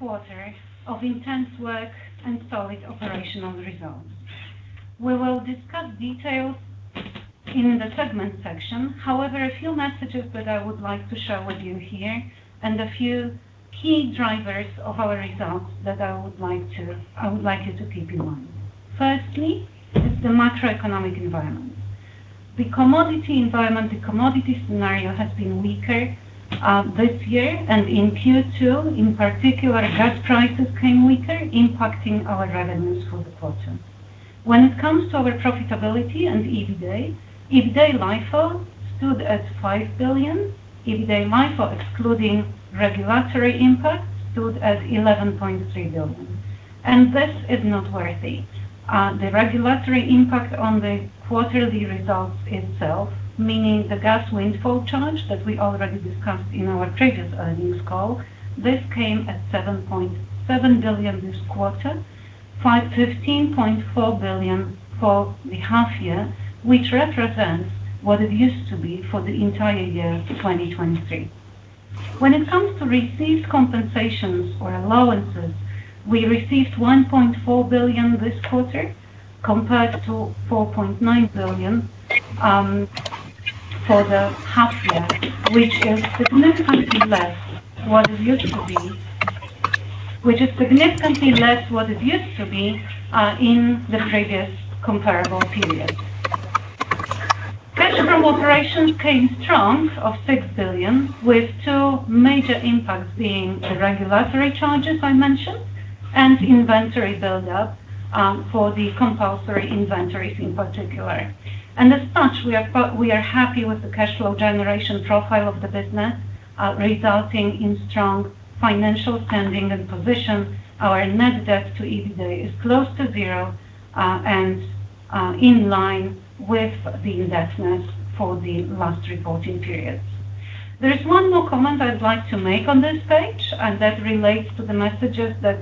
Thank you. It's been a solid quarter of intense work and solid operational results. We will discuss details in the segment section. However, a few messages that I would like to share with you here, and a few key drivers of our results that I would like to I would like you to keep in mind. Firstly, is the macroeconomic environment. The commodity environment, the commodity scenario has been weaker, this year, and in Q2, in particular, gas prices came weaker, impacting our revenues for the quarter. When it comes to our profitability and EBITDA, EBITDA LIFO stood at 5 billion. EBITDA LIFO, excluding regulatory impacts, stood at 11.3 billion. This is noteworthy. The regulatory impact on the quarterly results itself, meaning the gas windfall charge that we already discussed in our previous earnings call, this came at 7.7 billion this quarter, 15.4 billion for the half year, which represents what it used to be for the entire year of 2023. When it comes to received compensations or allowances, we received 1.4 billion this quarter, compared to 4.9 billion, for the half year, which is significantly less than what it used to be, which is significantly less what it used to be, in the previous comparable period. Cash from operations came strong of 6 billion, with two major impacts being the regulatory charges I mentioned and inventory buildup, for the compulsory inventories in particular. As such, we are happy with the cash flow generation profile of the business, resulting in strong financial standing and position. Our net debt to EBITDA is close to zero, and in line with the indebtedness for the last reporting periods. There is one more comment I would like to make on this page, and that relates to the messages that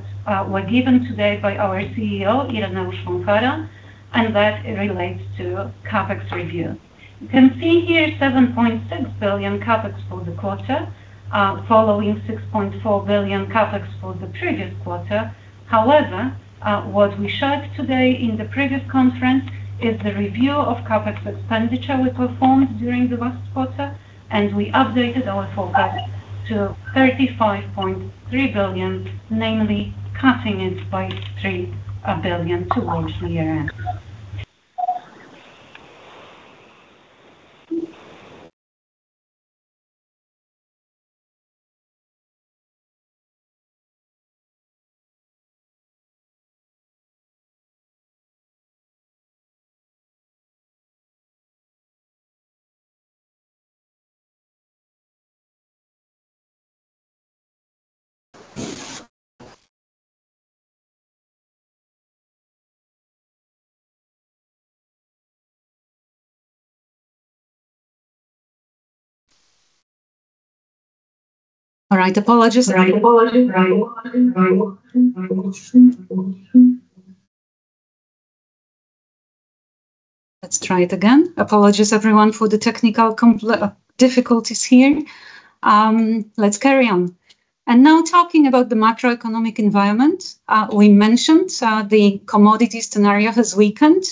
were given today by our CEO, Ireneusz Fąfara, and that relates to CapEx review. You can see here, 7.6 billion CapEx for the quarter, following 6.4 billion CapEx for the previous quarter. However, what we shared today in the previous conference is the review of CapEx expenditure we performed during the last quarter, and we updated our CapEx to 35.3 billion, namely cutting it by 3 billion towards the year end. All right, apologies. Let's try it again. Apologies, everyone, for the technical difficulties here. Let's carry on. Now talking about the macroeconomic environment, we mentioned the commodity scenario has weakened,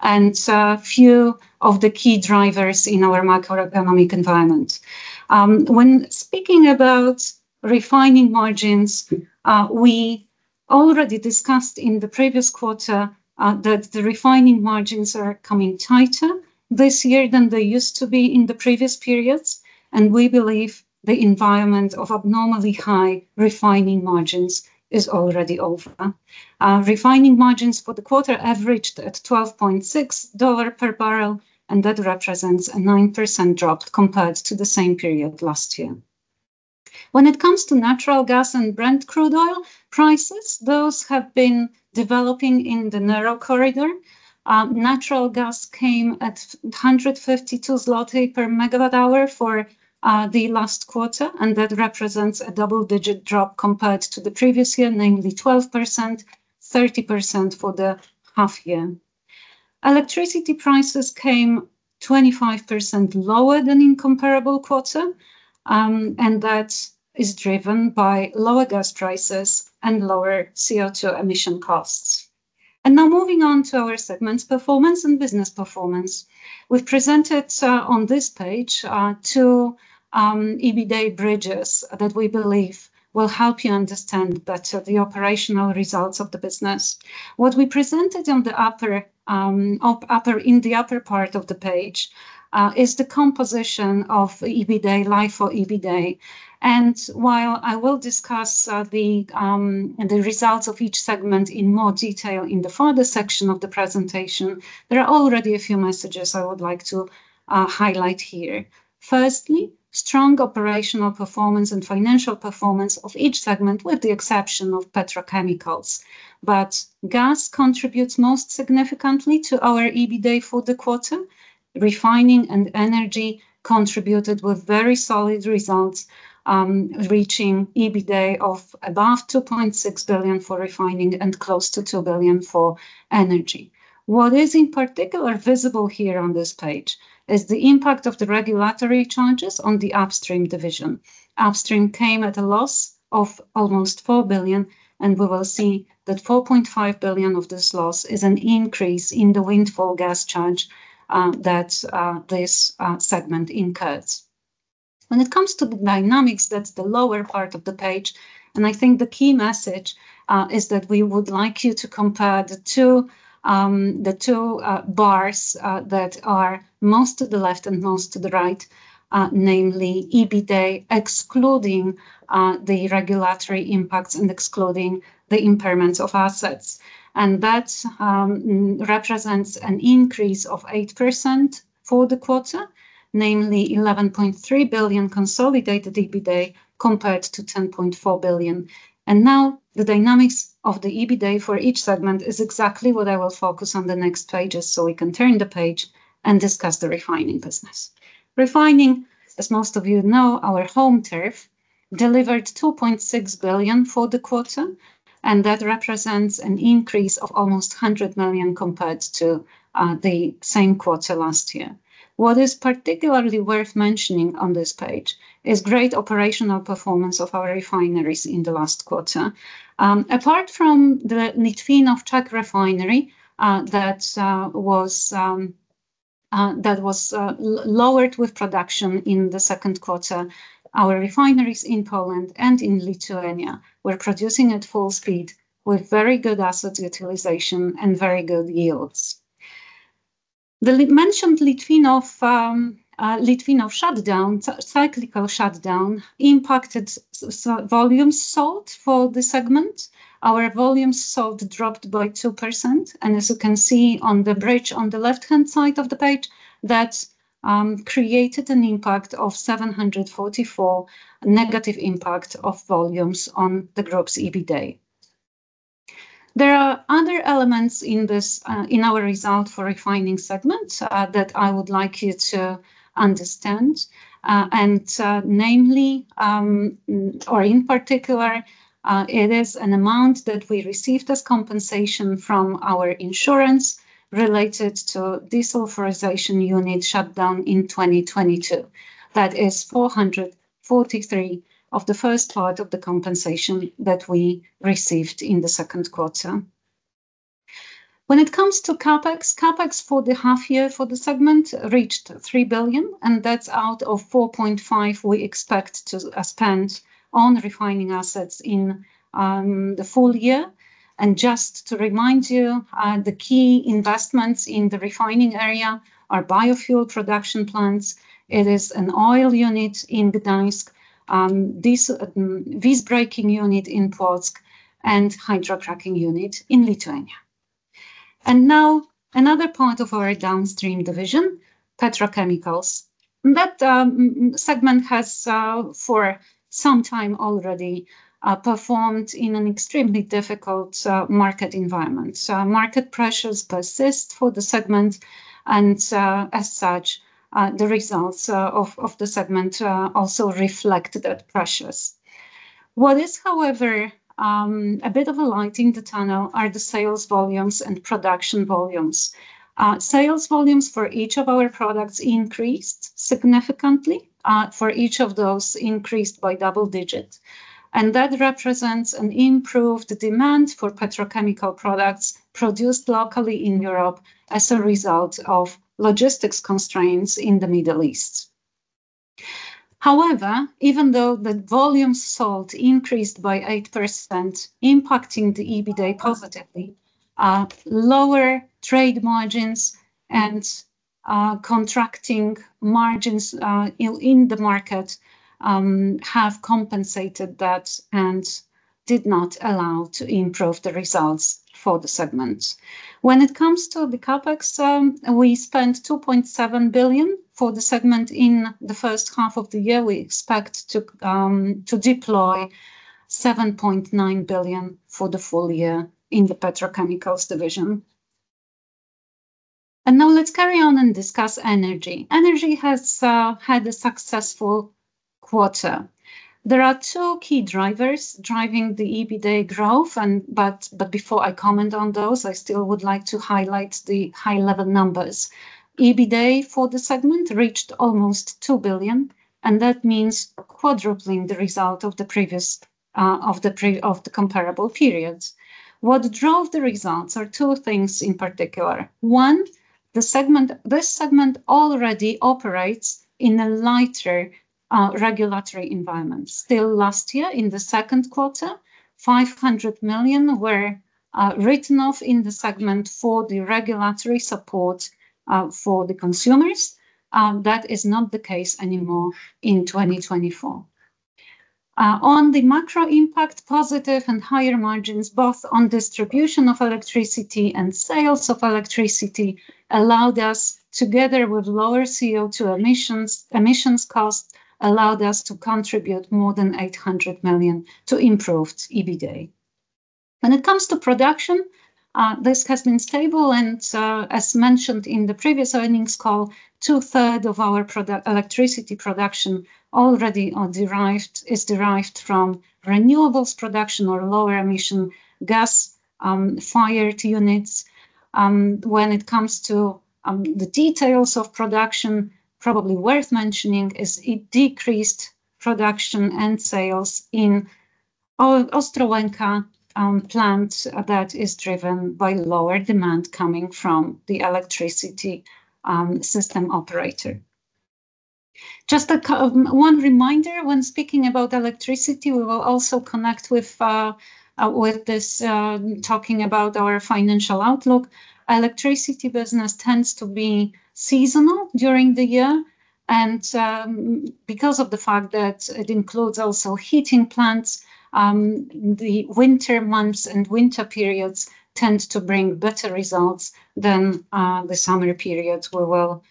and few of the key drivers in our macroeconomic environment. When speaking about refining margins, we already discussed in the previous quarter that the refining margins are coming tighter this year than they used to be in the previous periods, and we believe the environment of abnormally high refining margins is already over. Refining margins for the quarter averaged at $12.6 per barrel, and that represents a 9% drop compared to the same period last year. When it comes to natural gas and Brent crude oil prices, those have been developing in the narrow corridor. Natural gas came at 152 zloty per MWh for the last quarter, and that represents a double-digit drop compared to the previous year, namely 12%, 30% for the half year. Electricity prices came 25% lower than in comparable quarter, and that is driven by lower gas prices and lower CO2 emission costs. Now moving on to our segments performance and business performance. We've presented on this page two EBITDA bridges that we believe will help you understand better the operational results of the business. What we presented in the upper part of the page is the composition of the EBITDA LIFO EBITDA. While I will discuss the results of each segment in more detail in the further section of the presentation, there are already a few messages I would like to highlight here. Firstly, strong operational performance and financial performance of each segment, with the exception of petrochemicals. But gas contributes most significantly to our EBITDA for the quarter. Refining and energy contributed with very solid results, reaching EBITDA of above 2.6 billion for refining and close to 2 billion for energy. What is in particular visible here on this page is the impact of the regulatory challenges on the upstream division. Upstream came at a loss of almost 4 billion, and we will see that 4.5 billion of this loss is an increase in the gas windfall charge that this segment incurs. When it comes to the dynamics, that's the lower part of the page, and I think the key message is that we would like you to compare the two, the two, bars that are most to the left and most to the right, namely, EBITDA, excluding the regulatory impacts and excluding the impairments of assets. And that represents an increase of 8% for the quarter, namely 11.3 billion consolidated EBITDA, compared to 10.4 billion. And now, the dynamics of the EBITDA for each segment is exactly what I will focus on the next pages, so we can turn the page and discuss the refining business. Refining, as most of you know, our home turf, delivered 2.6 billion for the quarter, and that represents an increase of almost 100 million compared to the same quarter last year. What is particularly worth mentioning on this page is great operational performance of our refineries in the last quarter. Apart from the Litvínov Czech Refinery that was lowered with production in the second quarter, our refineries in Poland and in Lithuania were producing at full speed, with very good asset utilization and very good yields. The mentioned Litvínov shutdown, cyclical shutdown, impacted so volume sold for the segment. Our volume sold dropped by 2%, and as you can see on the bridge on the left-hand side of the page, that created an impact of negative 744 impact of volumes on the group's EBITDA. There are other elements in this in our result for refining segment that I would like you to understand. And namely, or in particular, it is an amount that we received as compensation from our insurance related to desulfurization unit shutdown in 2022. That is 443 of the first part of the compensation that we received in the second quarter. When it comes to CapEx, CapEx for the half year for the segment reached 3 billion, and that's out of 4.5 billion we expect to spend on refining assets in the full year. Just to remind you, the key investments in the refining area are biofuel production plants. It is an oil unit in Gdańsk, visbreaking unit in Płock, and hydrocracking unit in Lithuania. Now, another part of our downstream division, petrochemicals. That segment has, for some time already, performed in an extremely difficult market environment. So market pressures persist for the segment, and, as such, the results of the segment also reflect that pressures. What is, however, a bit of a light in the tunnel are the sales volumes and production volumes. Sales volumes for each of our products increased significantly, for each of those increased by double digit. That represents an improved demand for petrochemical products produced locally in Europe as a result of logistics constraints in the Middle East. However, even though the volume sold increased by 8%, impacting the EBITDA positively, lower trade margins and contracting margins in the market have compensated that and did not allow to improve the results for the segment. When it comes to the CapEx, we spent 2.7 billion for the segment in the first half of the year. We expect to deploy 7.9 billion for the full year in the petrochemicals division. Now let's carry on and discuss energy. Energy has had a successful quarter. There are two key drivers driving the EBITDA growth, and before I comment on those, I still would like to highlight the high-level numbers. EBITDA for the segment reached almost 2 billion, and that means quadrupling the result of the previous of the comparable periods. What drove the results are two things in particular. One, the segment—this segment already operates in a lighter regulatory environment. Still last year, in the second quarter, 500 million were written off in the segment for the regulatory support for the consumers. That is not the case anymore in 2024. On the macro impact, positive and higher margins, both on distribution of electricity and sales of electricity, allowed us, together with lower CO2 emissions cost, allowed us to contribute more than 800 million to improved EBITDA. When it comes to production, this has been stable, and, as mentioned in the previous earnings call, two-thirds of our electricity production already are derived, is derived from renewables production or lower emission gas fired units. When it comes to the details of production, probably worth mentioning is decreased production and sales in Ostrołęka plant that is driven by lower demand coming from the electricity system operator. Just one reminder, when speaking about electricity, we will also connect with this talking about our financial outlook. Electricity business tends to be seasonal during the year, and because of the fact that it includes also heating plants, the winter months and winter periods tend to bring better results than the summer periods, where we'll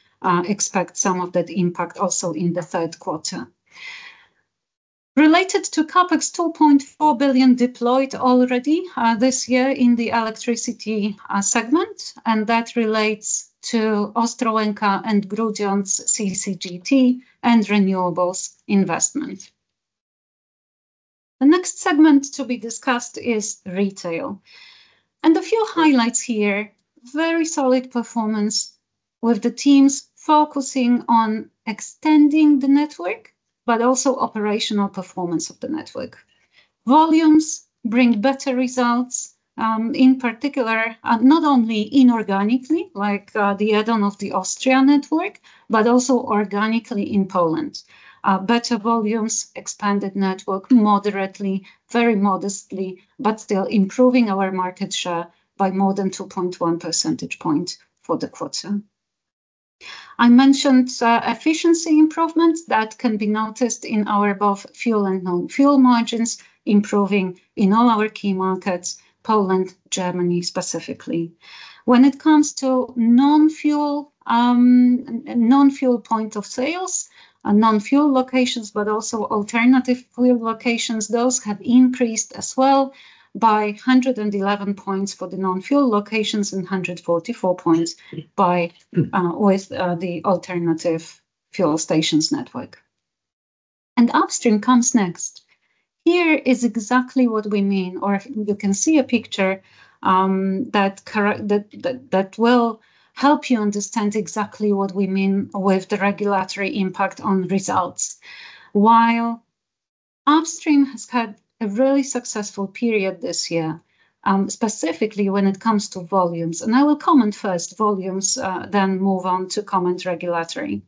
expect some of that impact also in the third quarter. Related to CapEx, 2.4 billion deployed already this year in the electricity segment, and that relates to Ostrołęka and Grudziądz CCGT and renewables investment. The next segment to be discussed is retail, and a few highlights here. Very solid performance, with the teams focusing on extending the network, but also operational performance of the network. Volumes bring better results, in particular, not only inorganically, like, the add-on of the Austria network, but also organically in Poland. Better volumes, expanded network moderately, very modestly, but still improving our market share by more than 2.1 percentage point for the quarter. I mentioned, efficiency improvements that can be noticed in our both fuel and non-fuel margins, improving in all our key markets, Poland, Germany specifically. When it comes to non-fuel point of sales, non-fuel locations, but also alternative fuel locations, those have increased as well by 111 points for the non-fuel locations and 144 points by with the alternative fuel stations network. Upstream comes next. Here is exactly what we mean, or you can see a picture. That will help you understand exactly what we mean with the regulatory impact on results. While Upstream has had a really successful period this year, specifically when it comes to volumes, and I will comment first volumes, then move on to comment regulatory.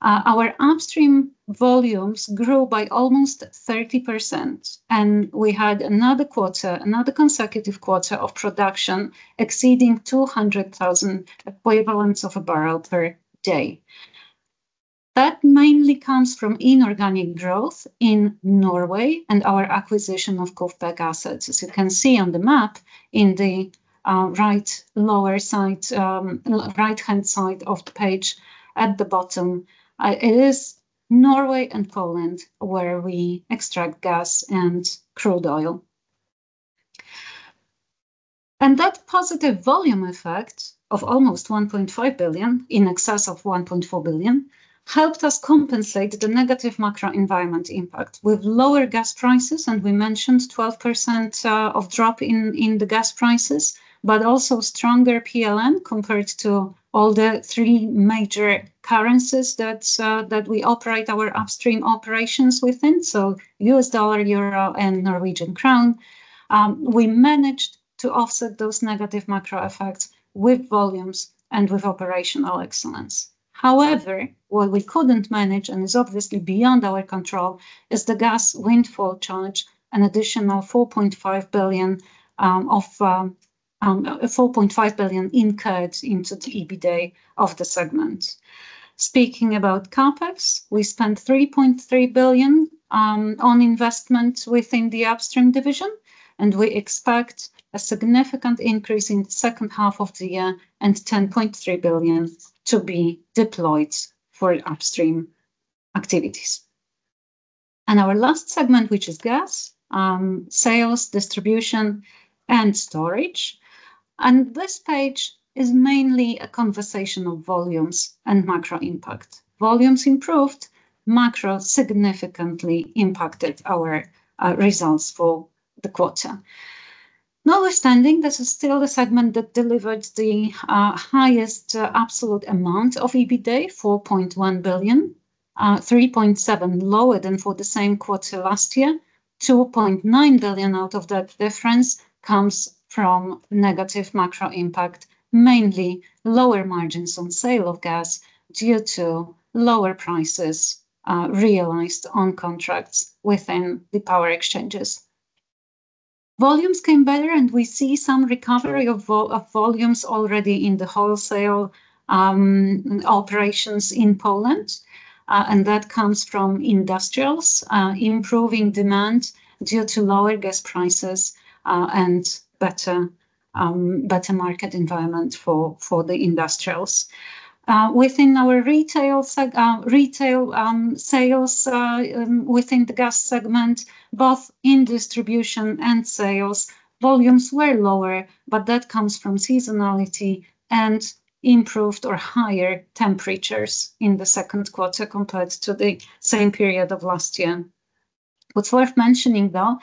Our Upstream volumes grew by almost 30%, and we had another quarter, another consecutive quarter of production exceeding 200,000 equivalents of a barrel per day. That mainly comes from inorganic growth in Norway and our acquisition of KUFPEC assets. As you can see on the map, in the right lower side, right-hand side of the page at the bottom, it is Norway and Poland where we extract gas and crude oil. And that positive volume effect of almost 1.5 billion, in excess of 1.4 billion, helped us compensate the negative macro environment impact. With lower gas prices, and we mentioned 12%, of drop in the gas prices, but also stronger PLN compared to all the three major currencies that we operate our Upstream operations within, so US dollar, euro, and Norwegian crown. We managed to offset those negative macro effects with volumes and with operational excellence. However, what we couldn't manage, and is obviously beyond our control, is the gas windfall charge, an additional 4.5 billion incurred into the EBITDA of the segment. Speaking about CapEx, we spent 3.3 billion on investment within the Upstream division, and we expect a significant increase in the second half of the year, and 10.3 billion to be deployed for Upstream activities. Our last segment, which is gas sales, distribution, and storage, and this page is mainly a conversation of volumes and macro impact. Volumes improved, macro significantly impacted our results for the quarter. Notwithstanding, this is still the segment that delivered the highest absolute amount of EBITDA, 4.1 billion, 3.7 billion lower than for the same quarter last year. 2.9 billion out of that difference comes from negative macro impact, mainly lower margins on sale of gas due to lower prices, realized on contracts within the power exchanges. Volumes came better, and we see some recovery of volumes already in the wholesale, operations in Poland, and that comes from industrials, improving demand due to lower gas prices, and better, better market environment for, the industrials. Within our retail seg, retail, sales, within the gas segment, both in distribution and sales, volumes were lower, but that comes from seasonality and improved or higher temperatures in the second quarter compared to the same period of last year. What's worth mentioning, though,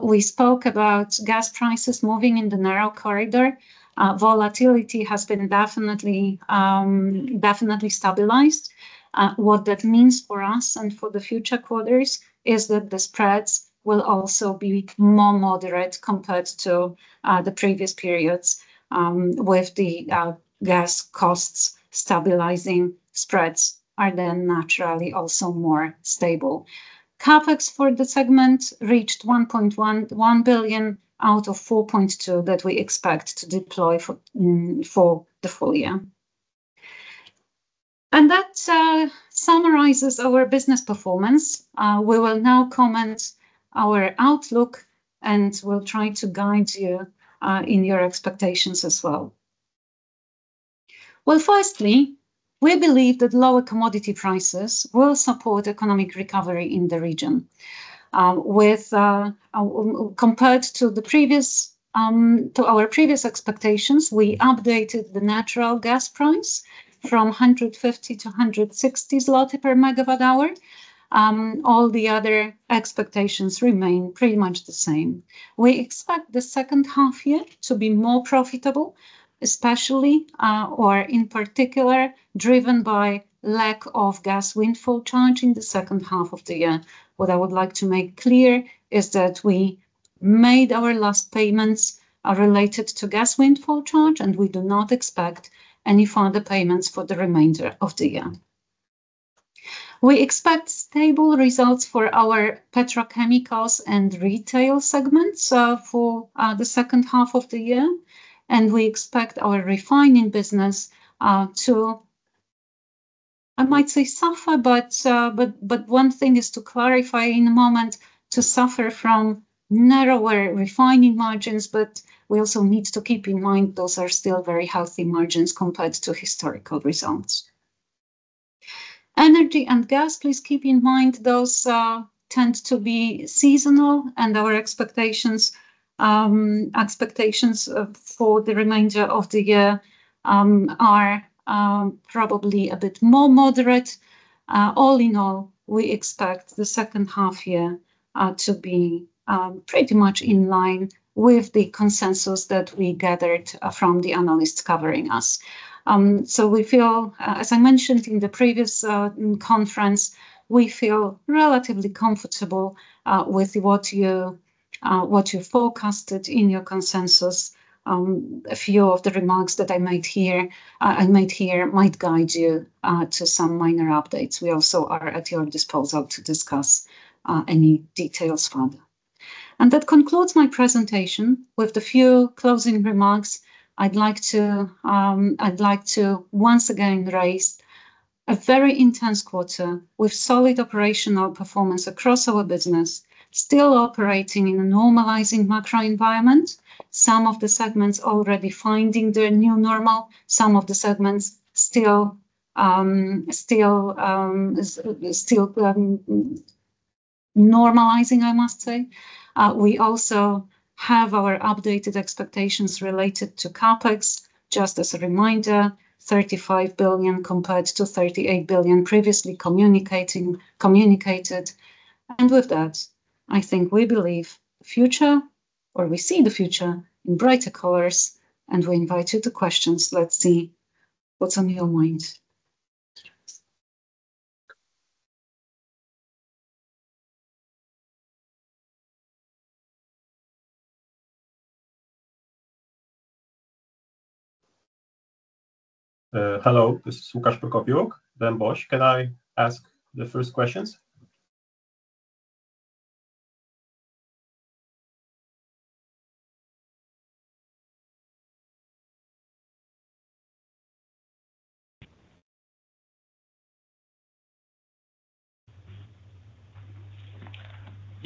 we spoke about gas prices moving in the narrow corridor. Volatility has been definitely, definitely stabilized. What that means for us and for the future quarters is that the spreads will also be more moderate compared to the previous periods. With the gas costs stabilizing, spreads are then naturally also more stable. CapEx for the segment reached 1.1 billion out of 4.2 billion that we expect to deploy for the full year. And that summarizes our business performance. We will now comment our outlook, and we'll try to guide you in your expectations as well. Well, firstly, we believe that lower commodity prices will support economic recovery in the region. Compared to our previous expectations, we updated the natural gas price from 150/MWh to 160 zloty/MWh. All the other expectations remain pretty much the same. We expect the second half year to be more profitable, especially, or in particular, driven by lack of gas windfall charge in the second half of the year. What I would like to make clear is that we made our last payments related to gas windfall charge, and we do not expect any further payments for the remainder of the year. We expect stable results for our petrochemicals and retail segments for the second half of the year, and we expect our refining business to, I might say, suffer, but one thing is to clarify in a moment, to suffer from narrower refining margins, but we also need to keep in mind, those are still very healthy margins compared to historical results. Energy and gas, please keep in mind, those tend to be seasonal, and our expectations for the remainder of the year are probably a bit more moderate. All in all, we expect the second half year to be pretty much in line with the consensus that we gathered from the analysts covering us. So we feel, as I mentioned in the previous conference, we feel relatively comfortable with what you forecasted in your consensus. A few of the remarks that I made here might guide you to some minor updates. We also are at your disposal to discuss any details further. And that concludes my presentation. With a few closing remarks, I'd like to, I'd like to once again raise a very intense quarter with solid operational performance across our business, still operating in a normalizing macro environment. Some of the segments already finding their new normal, some of the segments still, still, still, normalizing, I must say. We also have our updated expectations related to CapEx. Just as a reminder, 35 billion compared to 38 billion previously communicated. And with that, I think we believe the future, or we see the future in brighter colors, and we invite you to questions. Let's see what's on your mind. Hello, this is Łukasz Prokopiuk, DM BOŚ. Can I ask the first questions?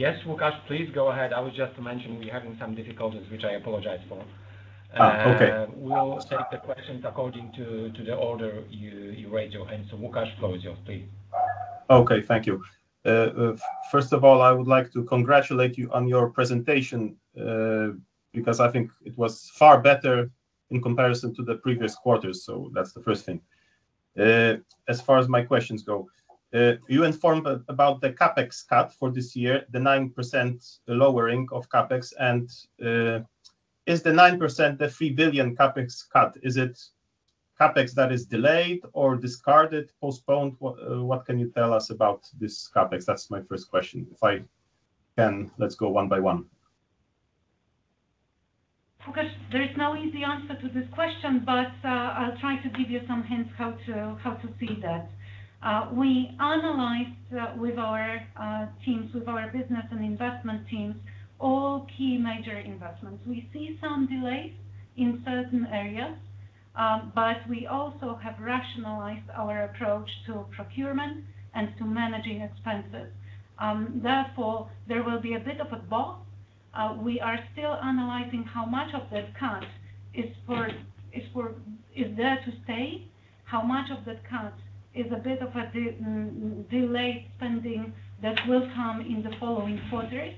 Yes, Łukasz, please go ahead. I was just mentioning we're having some difficulties, which I apologize for. Uh, okay. We'll take the questions according to the order you raised your hand, so Łukasz, go with yours, please. Okay. Thank you. First of all, I would like to congratulate you on your presentation, because I think it was far better in comparison to the previous quarters. So that's the first thing. As far as my questions go, you informed about the CapEx cut for this year, the 9% lowering of CapEx, and, is the 9%, the 3 billion CapEx cut, is it CapEx that is delayed or discarded, postponed? What, what can you tell us about this CapEx? That's my first question. If I can, let's go one by one. Łukasz, there is no easy answer to this question, but, I'll try to give you some hints how to see that. We analyzed with our teams, with our business and investment teams, all key major investments. We see some delays in certain areas, but we also have rationalized our approach to procurement and to managing expenses. Therefore, there will be a bit of a both. We are still analyzing how much of that cut is there to stay, how much of that cut is a bit of a delayed spending that will come in the following quarters.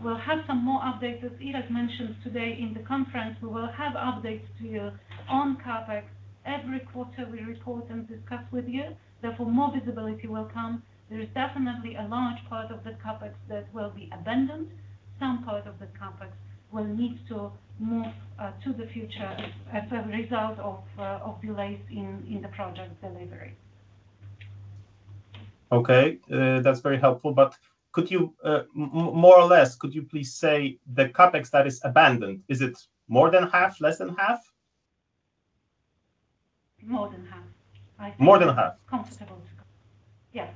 We'll have some more updates. As Irek mentioned today in the conference, we will have updates to you on CapEx. Every quarter, we report and discuss with you, therefore, more visibility will come. There is definitely a large part of the CapEx that will be abandoned. Some part of the CapEx will need to move to the future as a result of delays in the project delivery. Okay. That's very helpful, but could you, more or less, could you please say the CapEx that is abandoned, is it more than half, less than half? More than half, I think. More than half? Comfortable. Yeah.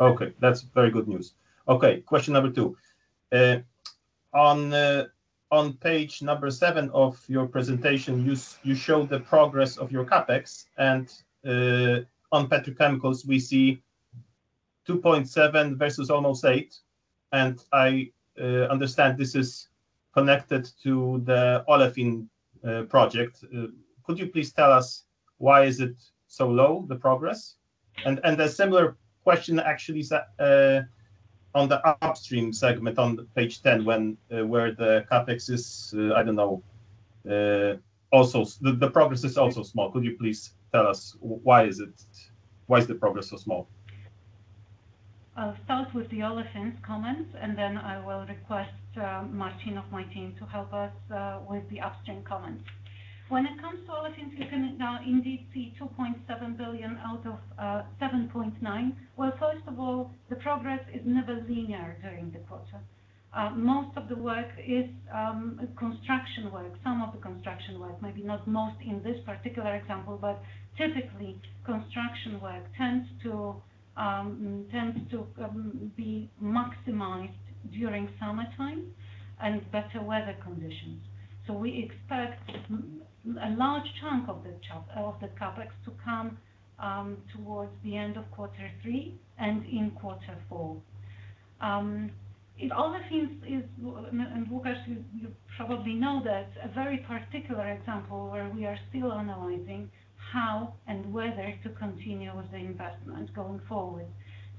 Okay, that's very good news. Okay, question two. On page seven of your presentation, you showed the progress of your CapEx, and on Petrochemicals, we see 2.7 versus almost eight, and I understand this is connected to the Olefins project. Could you please tell us why is it so low, the progress? And a similar question, actually, is on the Upstream segment on page 10, where the CapEx is, I don't know, also. The progress is also small. Could you please tell us why is it, why is the progress so small? I'll start with the Olefins comments, and then I will request, Martin of my team to help us, with the upstream comments. When it comes to Olefins, you can now indeed see 2.7 billion out of 7.9 billion. Well, first of all, the progress is never linear during the quarter. Most of the work is construction work. Some of the construction work, maybe not most in this particular example, but typically, construction work tends to be maximized during summertime and better weather conditions. So we expect a large chunk of the CapEx to come towards the end of quarter three and in quarter four. In Olefins, is, and Łukasz, you, you probably know that, a very particular example where we are still analyzing how and whether to continue with the investment going forward.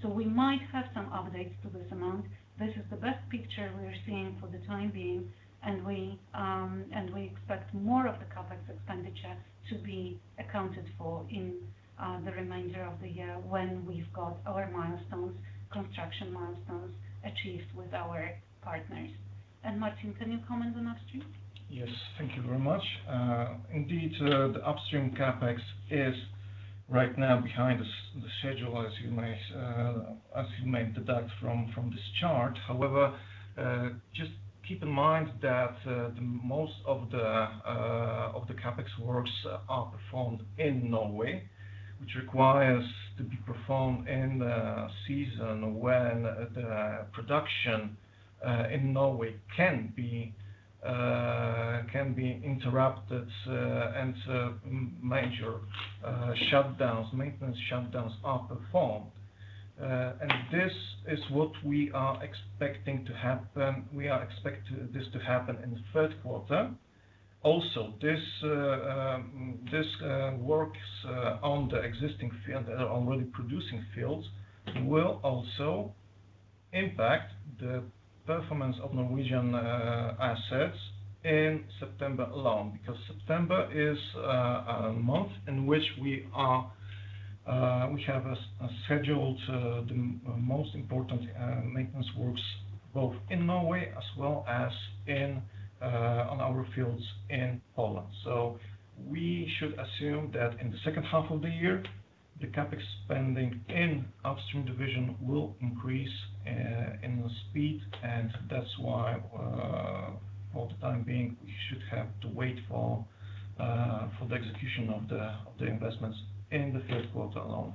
So we might have some updates to this amount. This is the best picture we are seeing for the time being, and we, and we expect more of the CapEx expenditure to be accounted for in, the remainder of the year when we've got our milestones, construction milestones, achieved with our partners. Martin, can you comment on upstream? Yes, thank you very much. Indeed, the upstream CapEx is right now behind the schedule, as you may deduct from this chart. However, just keep in mind that the most of the CapEx works are performed in Norway, which requires to be performed in a season when the production in Norway can be interrupted, and major shutdowns, maintenance shutdowns are performed. And this is what we are expecting to happen. We are expecting this to happen in the third quarter. Also, this works on the existing field that are already producing fields will also impact the performance of Norwegian assets in September alone, because September is a month in which we have a scheduled the most important maintenance works, both in Norway as well as in on our fields in Poland. So we should assume that in the second half of the year, the CapEx spending in upstream division will increase in the speed, and that's why for the time being, we should have to wait for the execution of the investments in the third quarter alone.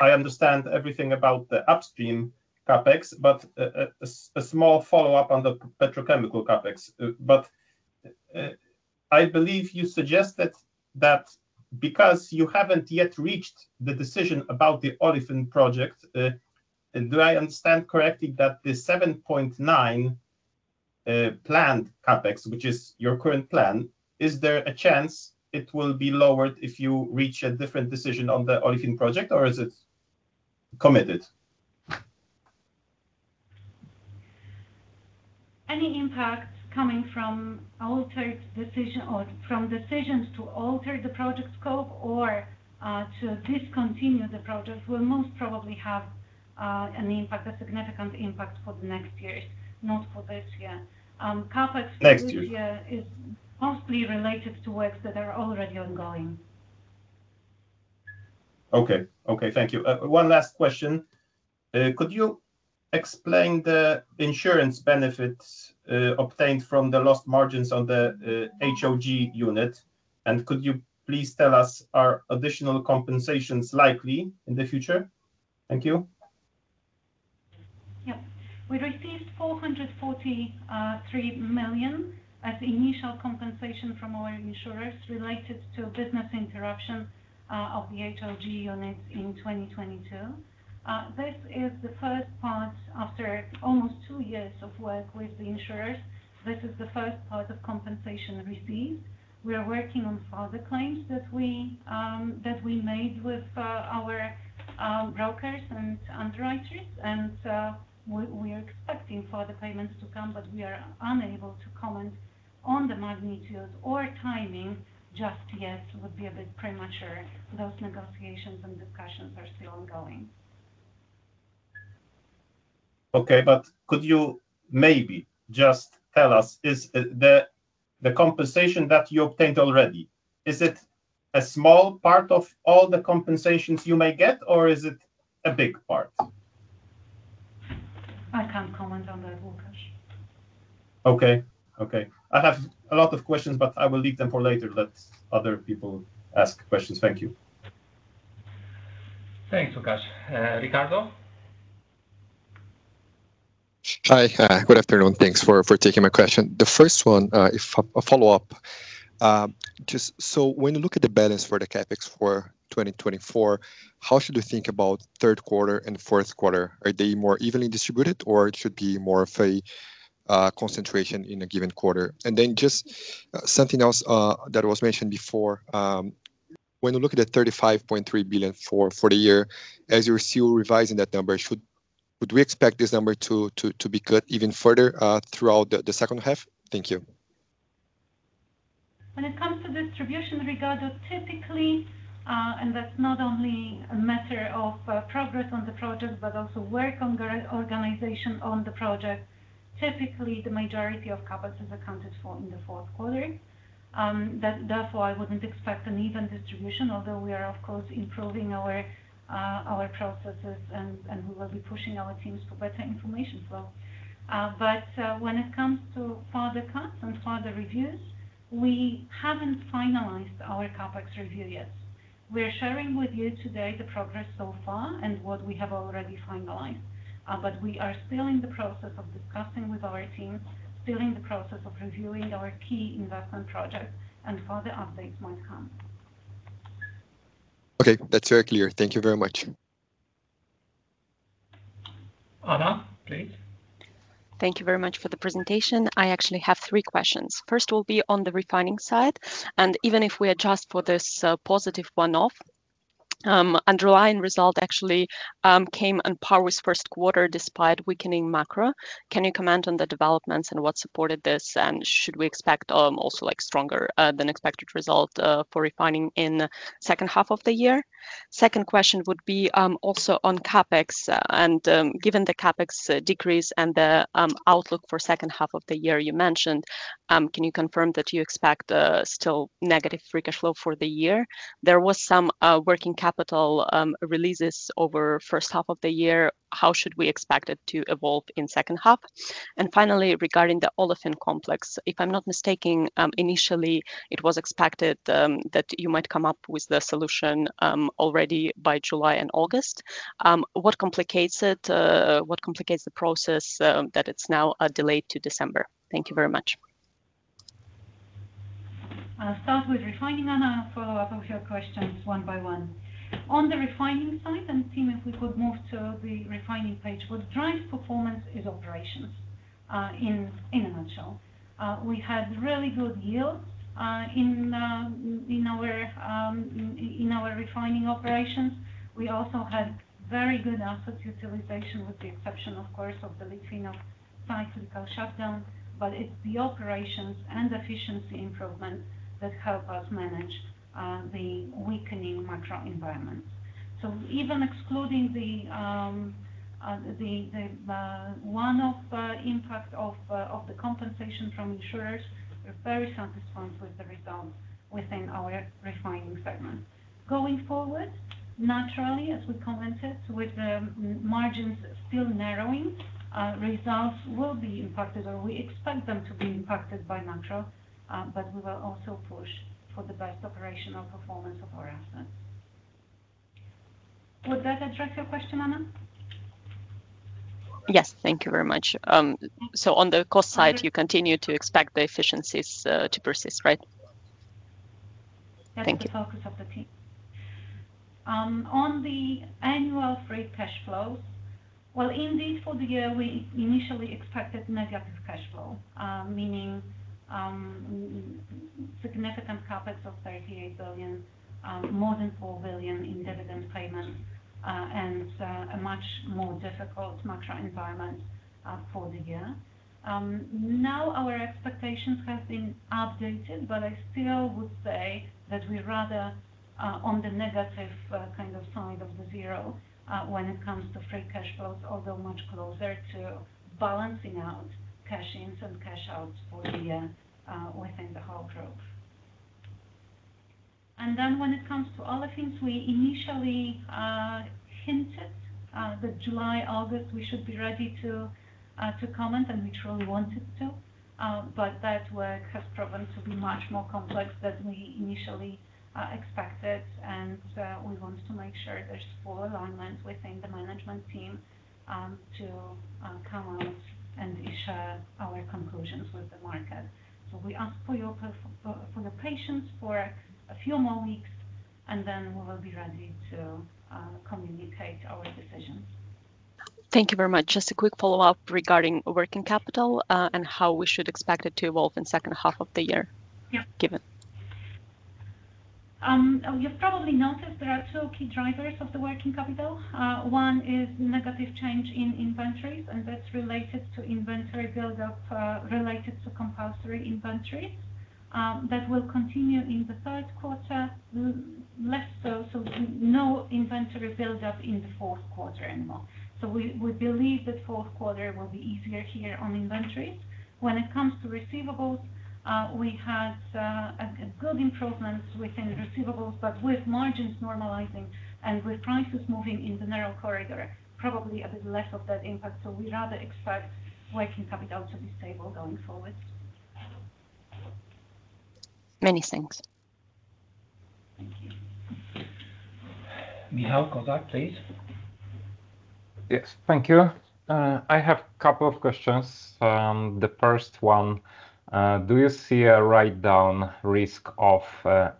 I understand everything about the upstream CapEx, but a small follow-up on the petrochemical CapEx. I believe you suggested that because you haven't yet reached the decision about the olefin project, do I understand correctly that the 7.9 planned CapEx, which is your current plan, is there a chance it will be lowered if you reach a different decision on the olefin project, or is it committed? Any impact coming from altered decision or from decisions to alter the project scope or to discontinue the project will most probably have an impact, a significant impact for the next years, not for this year. CapEx- Next year Is mostly related to works that are already ongoing. Okay. Okay, thank you. One last question. Could you explain the insurance benefits obtained from the lost margins on the HOG unit? Could you please tell us, are additional compensations likely in the future? Thank you. Yeah. We received 443 million as initial compensation from our insurers, related to business interruption of the HOG units in 2022. After almost two years of work with the insurers, this is the first part of compensation received. We are working on further claims that we made with our brokers and underwriters. We are expecting further payments to come, but we are unable to comment on the magnitudes or timing just yet. It would be a bit premature. Those negotiations and discussions are still ongoing. Okay. But could you maybe just tell us, is the compensation that you obtained already, is it a small part of all the compensations you may get, or is it a big part? I can't comment on that, Łukasz. Okay. Okay. I have a lot of questions, but I will leave them for later, let other people ask questions. Thank you. Thanks, Łukasz. Ricardo? Hi. Good afternoon. Thanks for taking my question. The first one, if a follow-up. Just so when you look at the balance for the CapEx for 2024, how should we think about third quarter and fourth quarter? Are they more evenly distributed, or it should be more of a concentration in a given quarter? And then just something else that was mentioned before. When you look at the 35.3 billion for the year, as you're still revising that number, should we expect this number to be cut even further throughout the second half? Thank you. When it comes to distribution, Ricardo, typically, and that's not only a matter of progress on the project, but also work on the organization on the project. Typically, the majority of CapEx is accounted for in the fourth quarter. Therefore, I wouldn't expect an even distribution, although we are, of course, improving our processes, and we will be pushing our teams for better information flow. But when it comes to further cuts and further reviews, we haven't finalized our CapEx review yet. We are sharing with you today the progress so far and what we have already finalized. But we are still in the process of discussing with our team, still in the process of reviewing our key investment projects, and further updates might come. Okay, that's very clear. Thank you very much. Anna, please. Thank you very much for the presentation. I actually have three questions. First will be on the refining side, and even if we adjust for this positive one-off, underlying result actually came on par with first quarter despite weakening macro. Can you comment on the developments and what supported this? And should we expect also, like, stronger than expected result for refining in second half of the year? Second question would be also on CapEx. And given the CapEx decrease and the outlook for second half of the year you mentioned, can you confirm that you expect still negative free cash flow for the year? There was some working capital releases over first half of the year, how should we expect it to evolve in second half? Finally, regarding the olefin complex, if I'm not mistaken, initially, it was expected that you might come up with the solution already by July and August. What complicates it? What complicates the process that it's now delayed to December? Thank you very much. I'll start with refining, Anna, and follow up with your questions one by one. On the refining side, team, if we could move to the refining page. What drives performance is operations in a nutshell. We had really good yields in our refining operations. We also had very good asset utilization, with the exception, of course, of the Lithuania cyclical shutdown. But it's the operations and efficiency improvements that help us manage the weakening macro environment. So even excluding the one-off impact of the compensation from insurers, we're very satisfied with the results within our refining segment. Going forward, naturally, as we commented, with the margins still narrowing, results will be impacted, or we expect them to be impacted by natural. But we will also push for the best operational performance of our assets. Would that address your question, Anna? Yes. Thank you very much. So on the cost side-you continue to expect the efficiencies, to persist, right? Thank you. That's the focus of the team. On the annual free cash flows. Well, indeed, for the year, we initially expected negative cash flow. Meaning, significant CapEx of 38 billion, more than 4 billion in dividend payments, and a much more difficult macro environment, for the year. Now our expectations have been updated, but I still would say that we're rather on the negative kind of side of the zero when it comes to free cash flows, although much closer to balancing out cash ins and cash outs for the within the whole group. And then when it comes to Olefins, we initially hinted that July, August, we should be ready to to comment, and we truly wanted to, but that work has proven to be much more complex than we initially expected. We wanted to make sure there's full alignment within the management team to come out and share our conclusions with the market. So we ask for your patience for a few more weeks and then we will be ready to communicate our decisions. Thank you very much. Just a quick follow-up regarding working capital, and how we should expect it to evolve in second half of the year. Yeah given. You've probably noticed there are two key drivers of the working capital. One is negative change in inventories, and that's related to inventory build-up related to compulsory inventories. That will continue in the third quarter, less so, so no inventory build-up in the fourth quarter anymore. So we believe that fourth quarter will be easier here on inventories. When it comes to receivables, we had a good improvements within receivables, but with margins normalizing and with prices moving in the narrow corridor, probably a bit less of that impact, so we rather expect working capital to be stable going forward. Many thanks. Thank you. Michal Kozak, please. Yes, thank you. I have a couple of questions. The first one, do you see a write-down risk of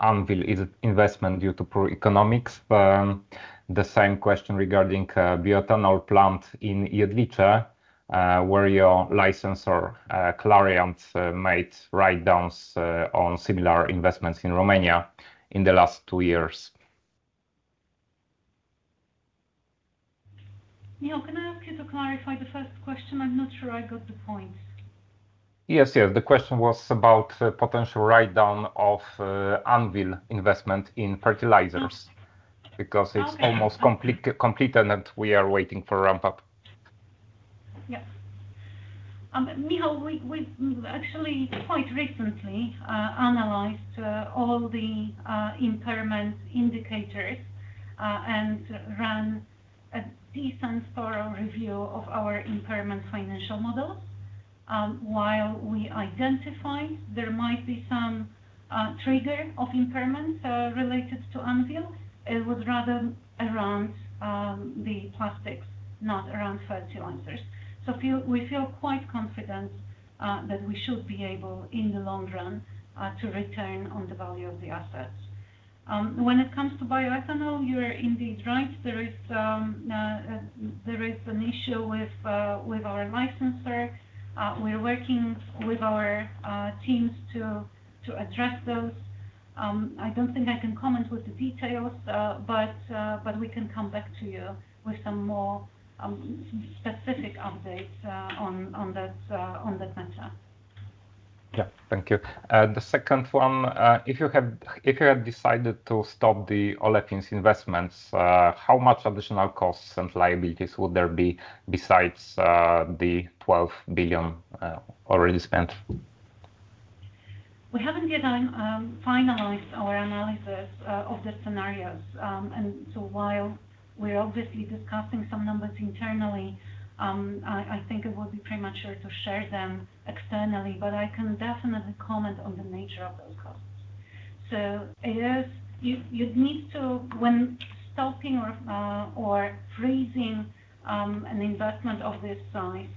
ANWIL investment due to poor economics? The same question regarding bioethanol plant in Jedlicze, where your licensor Clariant made write-downs on similar investments in Romania in the last two years. Michal, can I ask you to clarify the first question? I'm not sure I got the point. Yes, yes. The question was about the potential write-down of Anwil investment in fertilizers because it's almost complete, completed, and we are waiting for ramp-up. Yeah. Michal, we actually quite recently analyzed all the impairment indicators and ran a thorough review of our impairment financial models. While we identify there might be some trigger of impairments related to ANWIL, it was rather around the plastics, not around fertilizers. We feel quite confident that we should be able, in the long run, to return on the value of the assets. When it comes to bioethanol, you're indeed right. There is an issue with our licensor. We're working with our teams to address those. I don't think I can comment with the details, but we can come back to you with some more specific updates on that matter. Yeah. Thank you. The second one, if you have, if you had decided to stop the Olefins investments, how much additional costs and liabilities would there be besides the 12 billion already spent? We haven't yet finalized our analysis of the scenarios. And so while we're obviously discussing some numbers internally, I think it would be premature to share them externally, but I can definitely comment on the nature of those costs. So it is. You'd need to, when stopping or freezing an investment of this size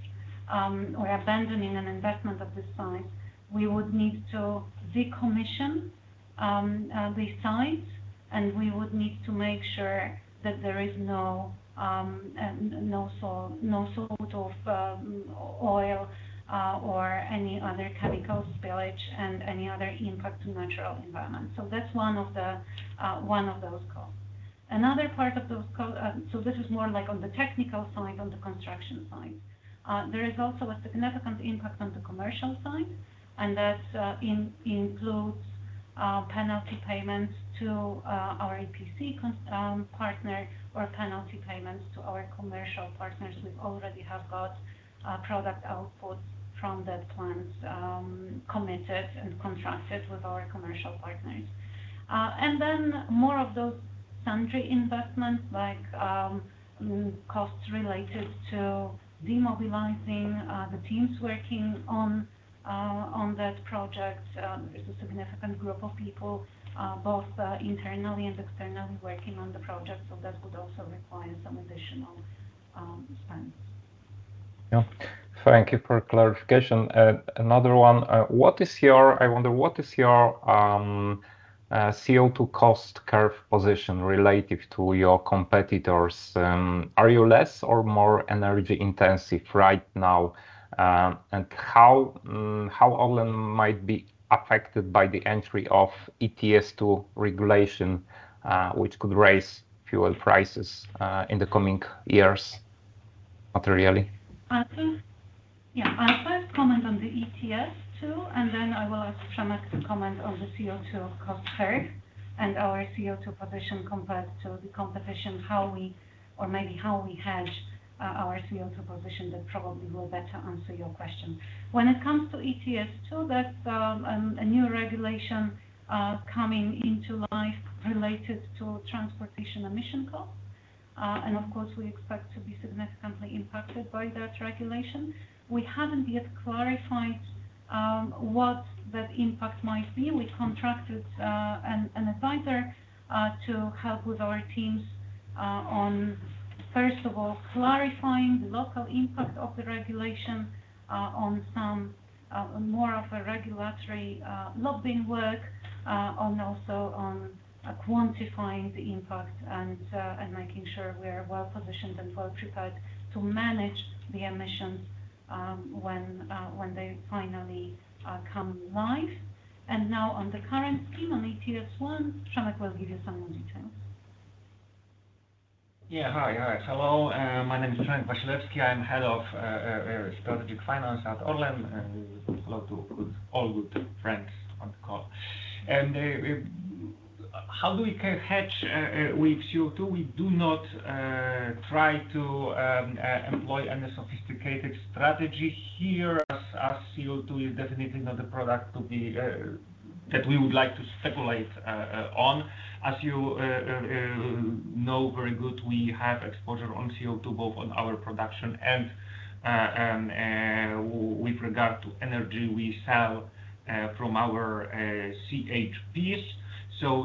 or abandoning an investment of this size, we would need to decommission the site, and we would need to make sure that there is no sort of oil or any other chemical spillage and any other impact to natural environment. So that's one of those costs. Another part of those costs. So this is more like on the technical side, on the construction side. There is also a significant impact on the commercial side, and that includes penalty payments to our EPC contractor or penalty payments to our commercial partners. We already have got product outputs from that plant committed and contracted with our commercial partners. And then more of those sundry investments like costs related to demobilizing the teams working on that project. There's a significant group of people both internally and externally working on the project, so that could also require some additional spends. Yeah. Thank you for clarification. Another one, what is your—I wonder, what is your, CO2 cost curve position relative to your competitors? Are you less or more energy-intensive right now? And how, how ORLEN might be affected by the entry of ETS2 regulation, which could raise fuel prices, in the coming years materially? I think. Yeah. I'll first comment on the ETS2, and then I will ask Przemek to comment on the CO2 cost curve and our CO2 position compared to the competition, how we or maybe how we hedge our CO2 position. That probably will better answer your question. When it comes to ETS2, that's a new regulation coming into life related to transportation emission costs. And of course, we expect to be significantly impacted by that regulation. We haven't yet clarified what that impact might be. We contracted an advisor to help with our teams. On first of all, clarifying the local impact of the regulation, on some more of a regulatory lobbying work, also on quantifying the impact and making sure we are well-positioned and well-prepared to manage the emissions, when they finally come live. And now on the current scheme, on ETS1, Przemek will give you some more details. Yeah. Hi. Hi. Hello, my name is Przemek Wasilewski. I'm head of Strategic Finance at ORLEN, and hello to good, all good friends on the call. How do we hedge with CO2? We do not try to employ any sophisticated strategy here, as CO2 is definitely not a product to be that we would like to speculate on. As you know very good, we have exposure on CO2, both on our production and with regard to energy we sell from our CHPs. So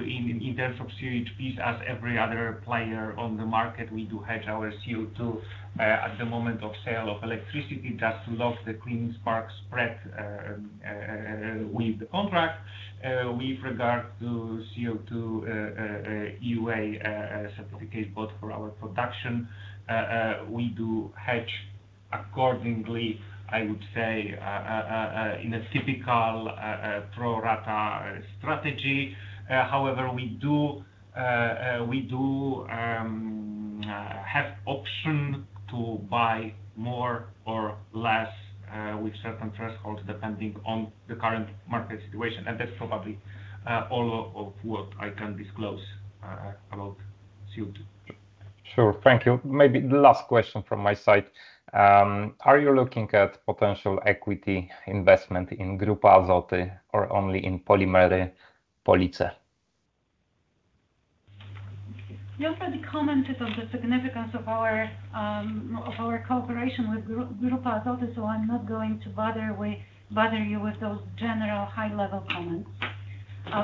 in terms of CHPs, as every other player on the market, we do hedge our CO2 at the moment of sale of electricity, just to lock the clean spark spread with the contract. With regard to CO2, EUA certificate, both for our production, we do hedge accordingly, I would say, in a typical pro rata strategy. However, we do, we do have option to buy more or less, with certain thresholds, depending on the current market situation, and that's probably all of what I can disclose about CO2. Sure. Thank you. Maybe the last question from my side. Are you looking at potential equity investment in Grupa Azoty or only in Polimery Police? We already commented on the significance of our cooperation with Grupa Azoty, so I'm not going to bother you with those general high-level comments.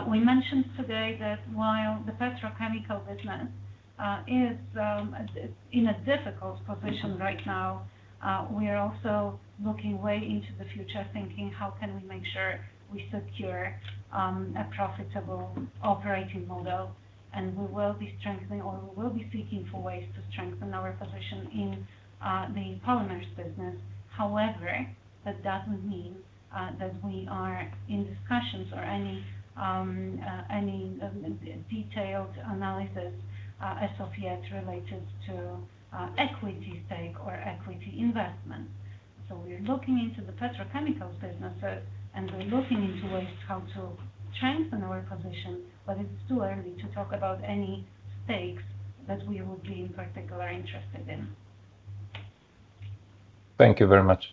We mentioned today that while the petrochemical business is in a difficult position right now, we are also looking way into the future, thinking, how can we make sure we secure a profitable operating model? And we will be strengthening or we will be seeking for ways to strengthen our position in the polymers business. However, that doesn't mean that we are in discussions or any detailed analysis as of yet related to equity stake or equity investment. So we're looking into the petrochemical business, and we're looking into ways how to strengthen our position, but it's too early to talk about any stakes that we would be in particular interested in. Thank you very much.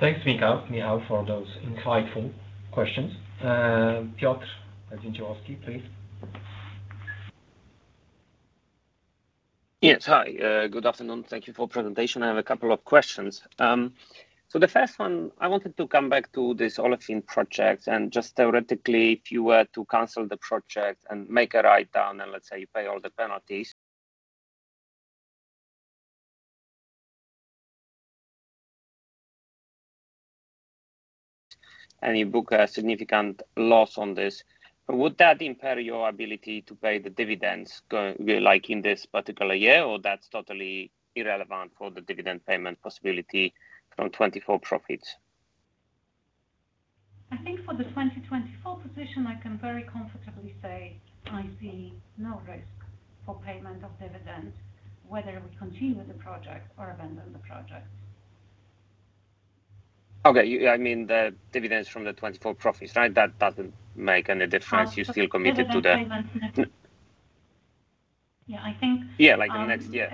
Thanks, Michal, Michal, for those insightful questions. Piotr Jagiellowski, please. Yes. Hi, good afternoon. Thank you for presentation. I have a couple of questions. So the first one, I wanted to come back to this olefin project, and just theoretically, if you were to cancel the project and make a write-down, and let's say you pay all the penalties, and you book a significant loss on this, would that impair your ability to pay the dividends like in this particular year? Or that's totally irrelevant for the dividend payment possibility from 2024 profits? I think for the 2024 position, I can very comfortably say I see no risk for payment of dividend, whether we continue with the project or abandon the project. Okay, I mean the dividends from the 2024 profits, right? That doesn't make any difference. Ah, okay. You're still committed to the. Dividend payment. Yeah, I think. Yeah, like next year.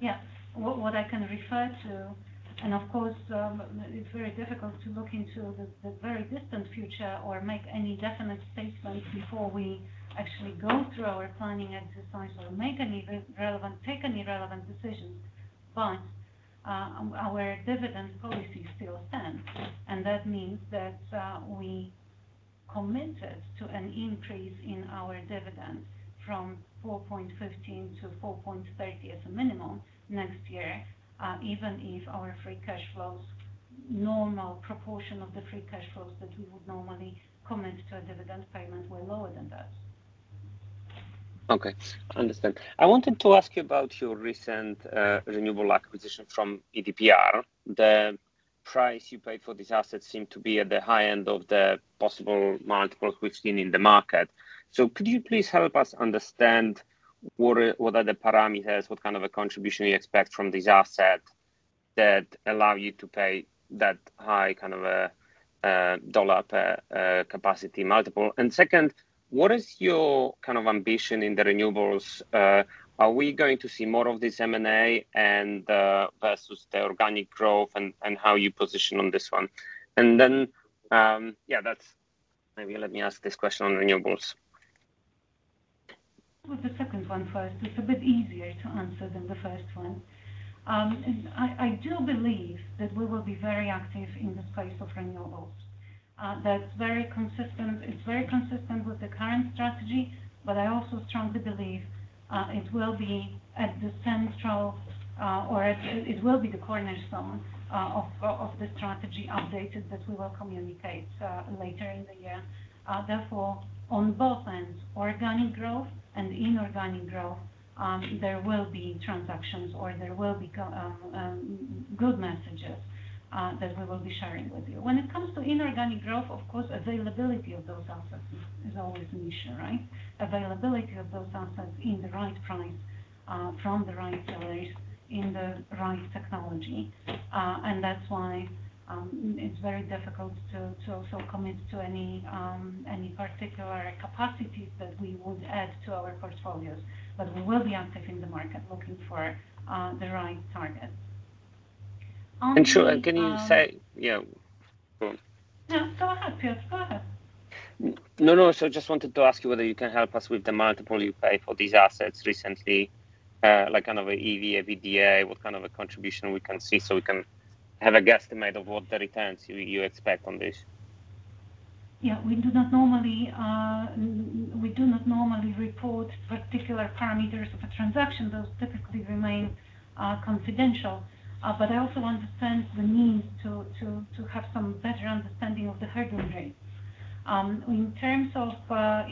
Yeah. What I can refer to and, of course, it's very difficult to look into the very distant future or make any definite statements before we actually go through our planning exercise or make any relevant, take any relevant decisions. But, our dividend policy still stands, and that means that we committed to an increase in our dividend from 4.15 to 4.30 as a minimum next year, even if our free cash flows, normal proportion of the free cash flows that we would normally commit to a dividend payment were lower than that. Okay, understand. I wanted to ask you about your recent renewable acquisition from EDPR. The price you paid for this asset seemed to be at the high end of the possible multiples we've seen in the market. So could you please help us understand what are the parameters, what kind of a contribution you expect from this asset that allow you to pay that high kind of a dollar per capacity multiple? And second, what is your kind of ambition in the renewables? Are we going to see more of this M&A and versus the organic growth and how you position on this one? And then, yeah, that's, maybe let me ask this question on renewables. With the second one first, it's a bit easier to answer than the first one. And I do believe that we will be very active in the space of renewables. That's very consistent, it's very consistent with the current strategy, but I also strongly believe, it will be at the central, or it, it will be the cornerstone, of, of the strategy updated, that we will communicate, later in the year. Therefore, on both ends, organic growth and inorganic growth, there will be transactions or there will be good messages, that we will be sharing with you. When it comes to inorganic growth, of course, availability of those assets is, is always an issue, right? Availability of those assets in the right price, from the right areas, in the right technology. And that's why it's very difficult to also commit to any particular capacities that we would add to our portfolios. But we will be active in the market, looking for the right targets. And sure, can you say... Yeah, go on. No, go ahead, Piotr. Go ahead. No, no. So I just wanted to ask you whether you can help us with the multiple you paid for these assets recently, like kind of a EV/EBITDA, what kind of a contribution we can see, so we can have a guesstimate of what the returns you, you expect on this? Yeah. We do not normally report particular parameters of a transaction. Those typically remain confidential. But I also understand the need to have some better understanding of the hedging rates. In terms of our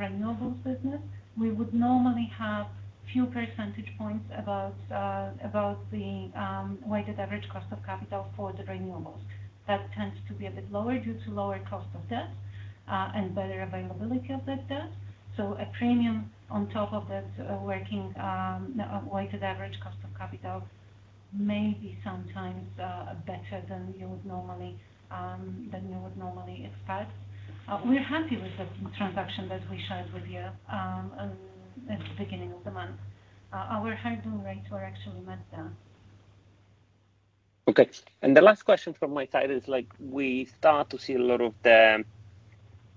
renewables business, we would normally have few percentage points above the weighted average cost of capital for the renewables. That tends to be a bit lower due to lower cost of debt and better availability of that debt. So a premium on top of that weighted average cost of capital may be sometimes better than you would normally expect. We're happy with the transaction that we shared with you at the beginning of the month. Our hedging rates were actually met there. Okay. And the last question from my side is, like, we start to see a lot of the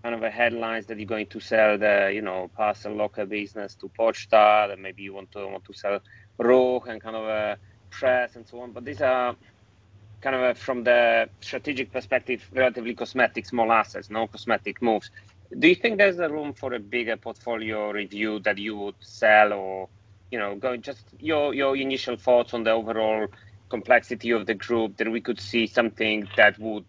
kind of the headlines that you're going to sell the, you know, parcel locker business to Poczta, that maybe you want to, want to sell Ruch and kind of, Press and so on. But these are kind of, from the strategic perspective, relatively cosmetic, small assets, no cosmetic moves. Do you think there's a room for a bigger portfolio review that you would sell or, you know, go...? Just your, your initial thoughts on the overall complexity of the group, that we could see something that would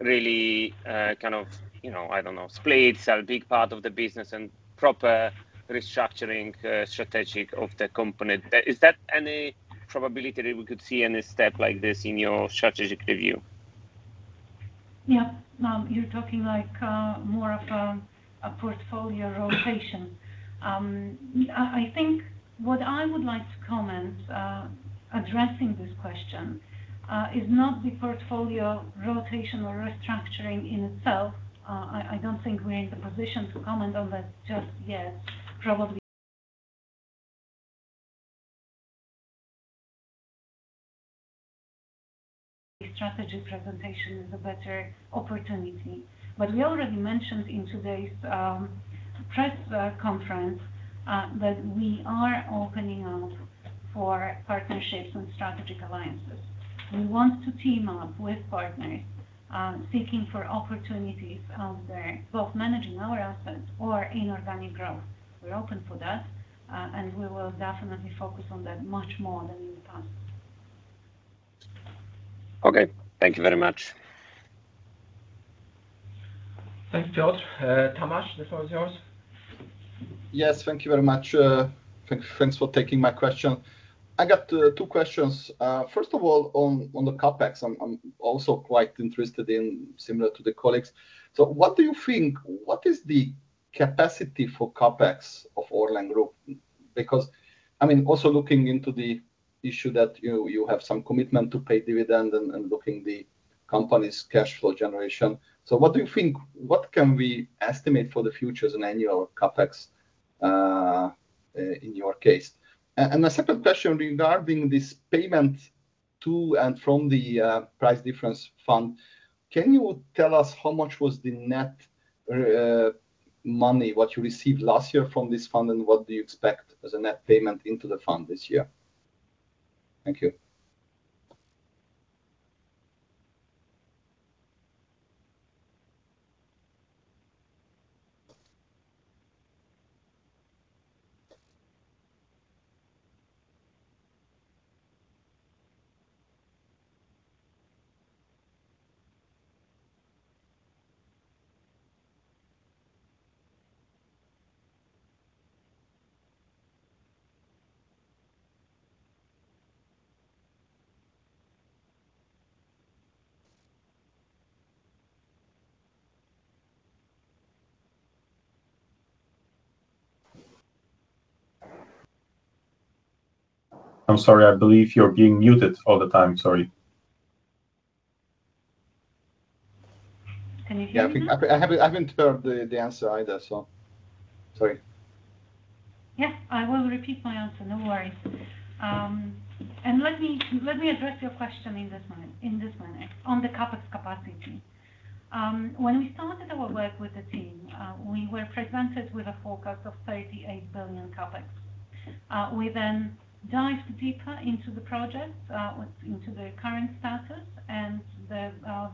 really, kind of, you know, I don't know, split, sell a big part of the business and proper restructuring, strategic of the company. Is that any probability that we could see any step like this in your strategic review? Yeah. You're talking like more of a portfolio rotation. I think what I would like to comment, addressing this question, is not the portfolio rotation or restructuring in itself. I don't think we're in the position to comment on that just yet, probably. Strategy presentation is a better opportunity. But we already mentioned in today's press conference that we are opening up for partnerships and strategic alliances. We want to team up with partners seeking for opportunities out there, both managing our assets or inorganic growth. We're open for that, and we will definitely focus on that much more than in the past. Okay. Thank you very much. Thank you, Piotr. Tamas, the floor is yours. Yes, thank you very much. Thanks for taking my question. I got two questions. First of all, on the CapEx, I'm also quite interested in, similar to the colleagues. So what do you think, what is the capacity for CapEx of ORLEN Group? Because, I mean, also looking into the issue that you have some commitment to pay dividend and looking the company's cash flow generation. So what do you think, what can we estimate for the future as an annual CapEx in your case? And the second question regarding this payment to and from the price difference fund, can you tell us how much was the net money what you received last year from this fund, and what do you expect as a net payment into the fund this year? Thank you. I'm sorry, I believe you're being muted all the time. Sorry. Can you hear me? Yeah, I think I haven't heard the answer either, so sorry. Yeah, I will repeat my answer. No worries. And let me address your question in this one, on the CapEx capacity. When we started our work with the team, we were presented with a forecast of 38 billion CapEx. We then dived deeper into the projects, into the current status and the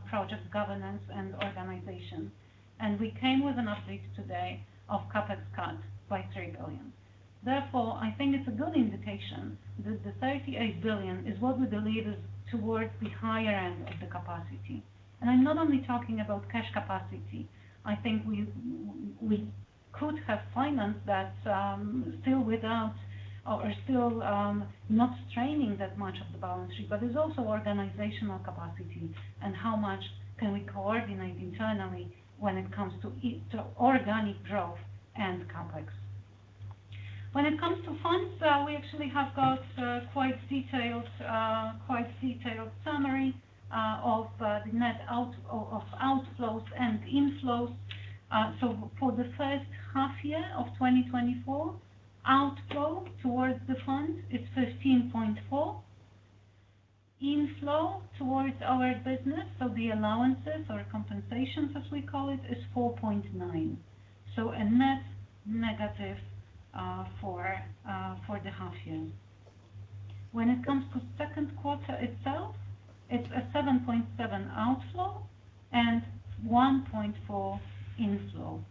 project governance and organization, and we came with an update today of CapEx cut by 3 billion. Therefore, I think it's a good indication that the 38 billion is what we believe is towards the higher end of the capacity. I'm not only talking about cash capacity, I think we could have financed that, still without or still not straining that much of the balance sheet, but it's also organizational capacity and how much can we coordinate internally when it comes to to organic growth and CapEx. When it comes to funds, we actually have got quite detailed summary of the net outflows and inflows. So for the first half year of 2024, outflow towards the fund is 15.4. Inflow towards our business, so the allowances or compensations, as we call it, is 4.9, so a net negative for the half year. When it comes to second quarter itself, it's a 7.7 outflow and 1.4 inflow.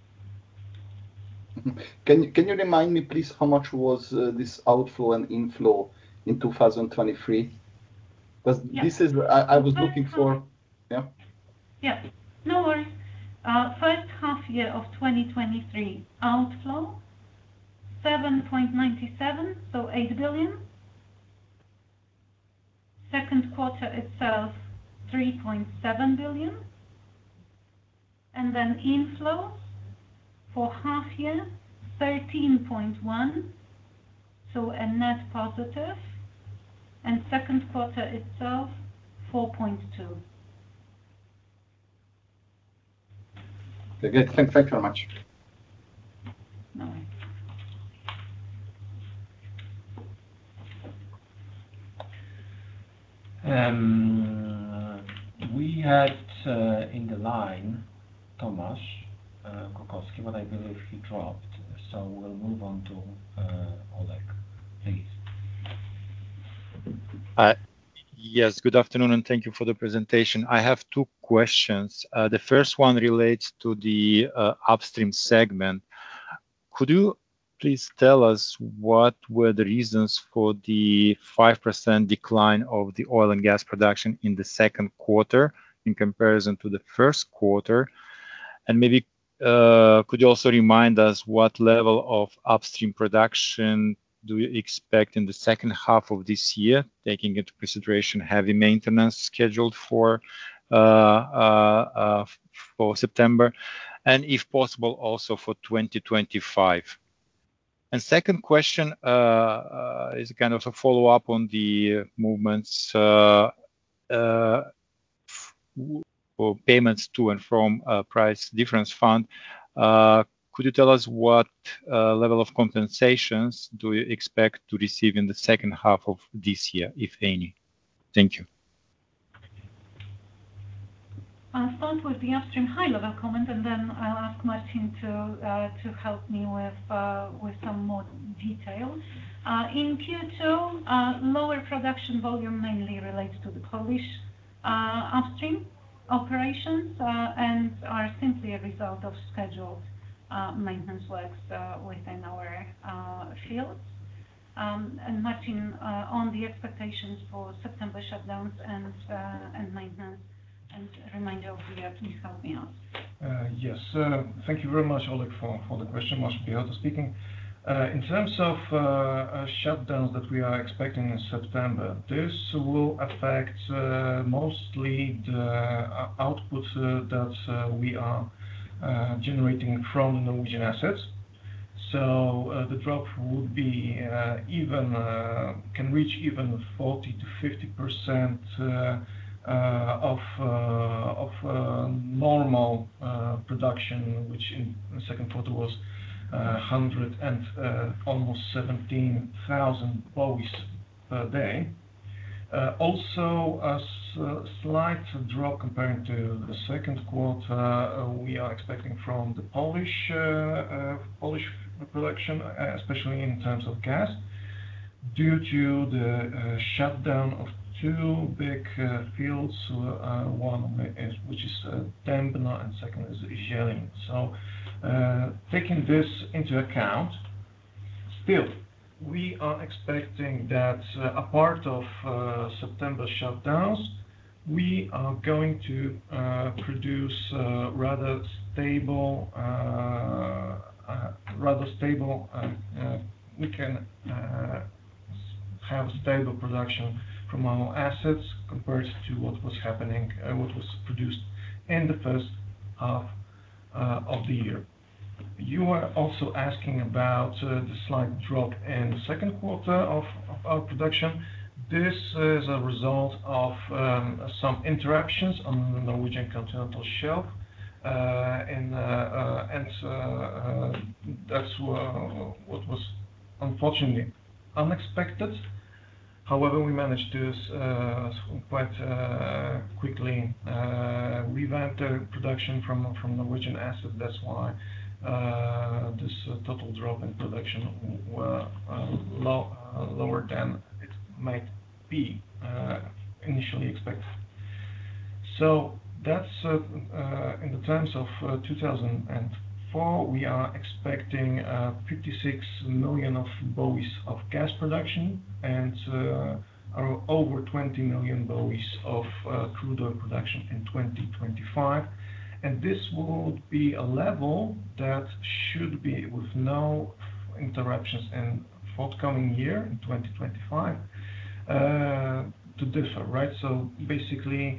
Can you remind me, please, how much was this outflow and inflow in 2023? 'Cause- Yes. This is where I was looking for... Yeah. Yeah, no worries. First half year of 2023, outflow, 7.97 billion, so 8 billion. Second quarter itself, 3.7 billion. And then inflows for half year, 13.1 billion, so a net positive. And second quarter itself, 4.2 billion. Okay, good. Thank you very much. No worries. We had in the line Tomasz Kukowski, but I believe he dropped, so we'll move on to Oleg, please. Yes, good afternoon, and thank you for the presentation. I have two questions. The first one relates to the upstream segment. Could you please tell us what were the reasons for the 5% decline of the oil and gas production in the second quarter, in comparison to the first quarter? And maybe, could you also remind us what level of upstream production do you expect in the second half of this year, taking into consideration heavy maintenance scheduled for September, and if possible, also for 2025? And second question is kind of a follow-up on the movements for payments to and from Price Difference Fund. Could you tell us what level of compensations do you expect to receive in the second half of this year, if any? Thank you. I'll start with the upstream high-level comment, and then I'll ask Martin to help me with some more detail. In Q2, lower production volume mainly relates to the Polish upstream operations, and are simply a result of scheduled maintenance works within our fields. And Martin, on the expectations for September shutdowns and maintenance, and reminder of the year, please help me out. Yes. Thank you very much, Oleg, for the question. Martin Pielka speaking. In terms of shutdowns that we are expecting in September, this will affect mostly the output that we are generating from Norwegian assets. So, the drop would be even... can reach even 40%-50% of normal production, which in the second quarter was hundred and almost 17,000 BOEs per day. Also, a slight drop comparing to the second quarter, we are expecting from the Polish production, especially in terms of gas, due to the shutdown of two big fields. One is, which is, Pembina, and second is Zieleń. So, taking this into account, still, we are expecting that, apart from September shutdowns, we are going to produce rather stable... we can have stable production from our assets compared to what was produced in the first half of the year. You were also asking about the slight drop in the second quarter of our production. This is a result of some interruptions on the Norwegian Continental Shelf, and that's what was unfortunately unexpected. However, we managed to quite quickly revamp the production from Norwegian asset. That's why this total drop in production was lower than it might be initially expected. So that's, in the terms of 2004, we are expecting 56 million BOEs of gas production, and over 20 million BOEs of crude oil production in 2025. And this will be a level that should be with no interruptions in forthcoming year, in 2025, to differ, right? So basically,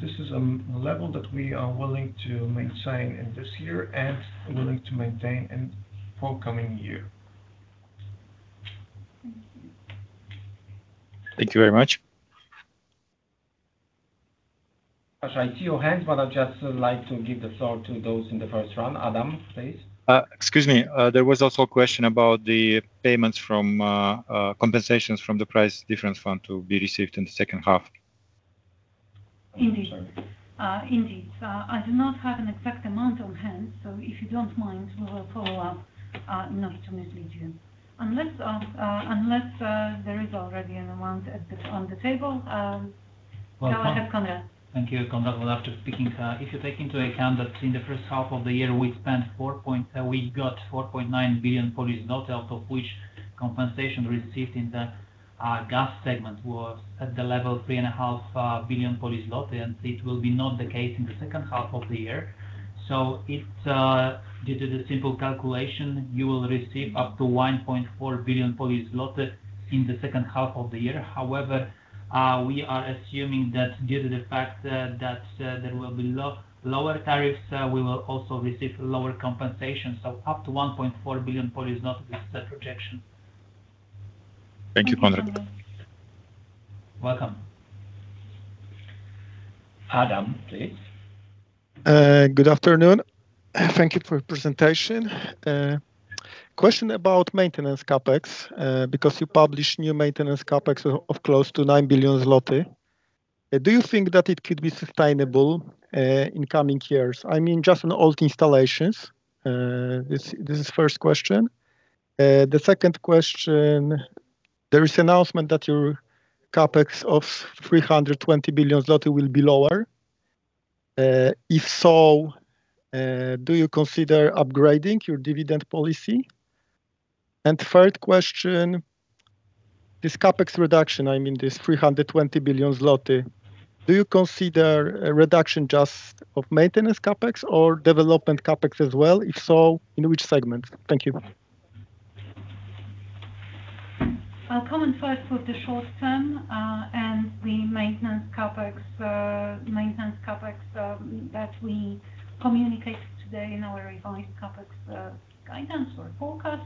this is a level that we are willing to maintain in this year and willing to maintain in forthcoming year. Thank you very much. I see your hands, but I'd just like to give the floor to those in the first round. Adam, please. Excuse me, there was also a question about the payments from, compensations from the price difference fund to be received in the second half. Indeed. Indeed. I do not have an exact amount on hand, so if you don't mind, we will follow up, not to mislead you. Unless, unless, there is already an amount at the, on the table, go ahead, Konrad. Thank you, Konrad. Well, after speaking, if you take into account that in the first half of the year we spent four point- we got PLN 4.9 billion, out of which compensation received in the gas segment was at the level of 3.5 billion, and it will be not the case in the second half of the year. So it's due to the simple calculation, you will receive up to 1.4 billion Polish zloty in the second half of the year. However, we are assuming that due to the fact that there will be lower tariffs, we will also receive lower compensation, so up to 1.4 billion is the projection. Thank you, Konrad. Welcome. Adam, please. Good afternoon. Thank you for your presentation. Question about maintenance CapEx, because you published new maintenance CapEx of close to 9 billion zloty. Do you think that it could be sustainable in coming years? I mean, just on old installations. This is first question. The second question, there is announcement that your CapEx of 320 billion zloty will be lower. If so, do you consider upgrading your dividend policy? Third question, this CapEx reduction, I mean, this 320 billion zloty, do you consider a reduction just of maintenance CapEx or development CapEx as well? If so, in which segment? Thank you. I'll comment first for the short term, and the maintenance CapEx, maintenance CapEx, that we communicated today in our revised CapEx guidance or forecast.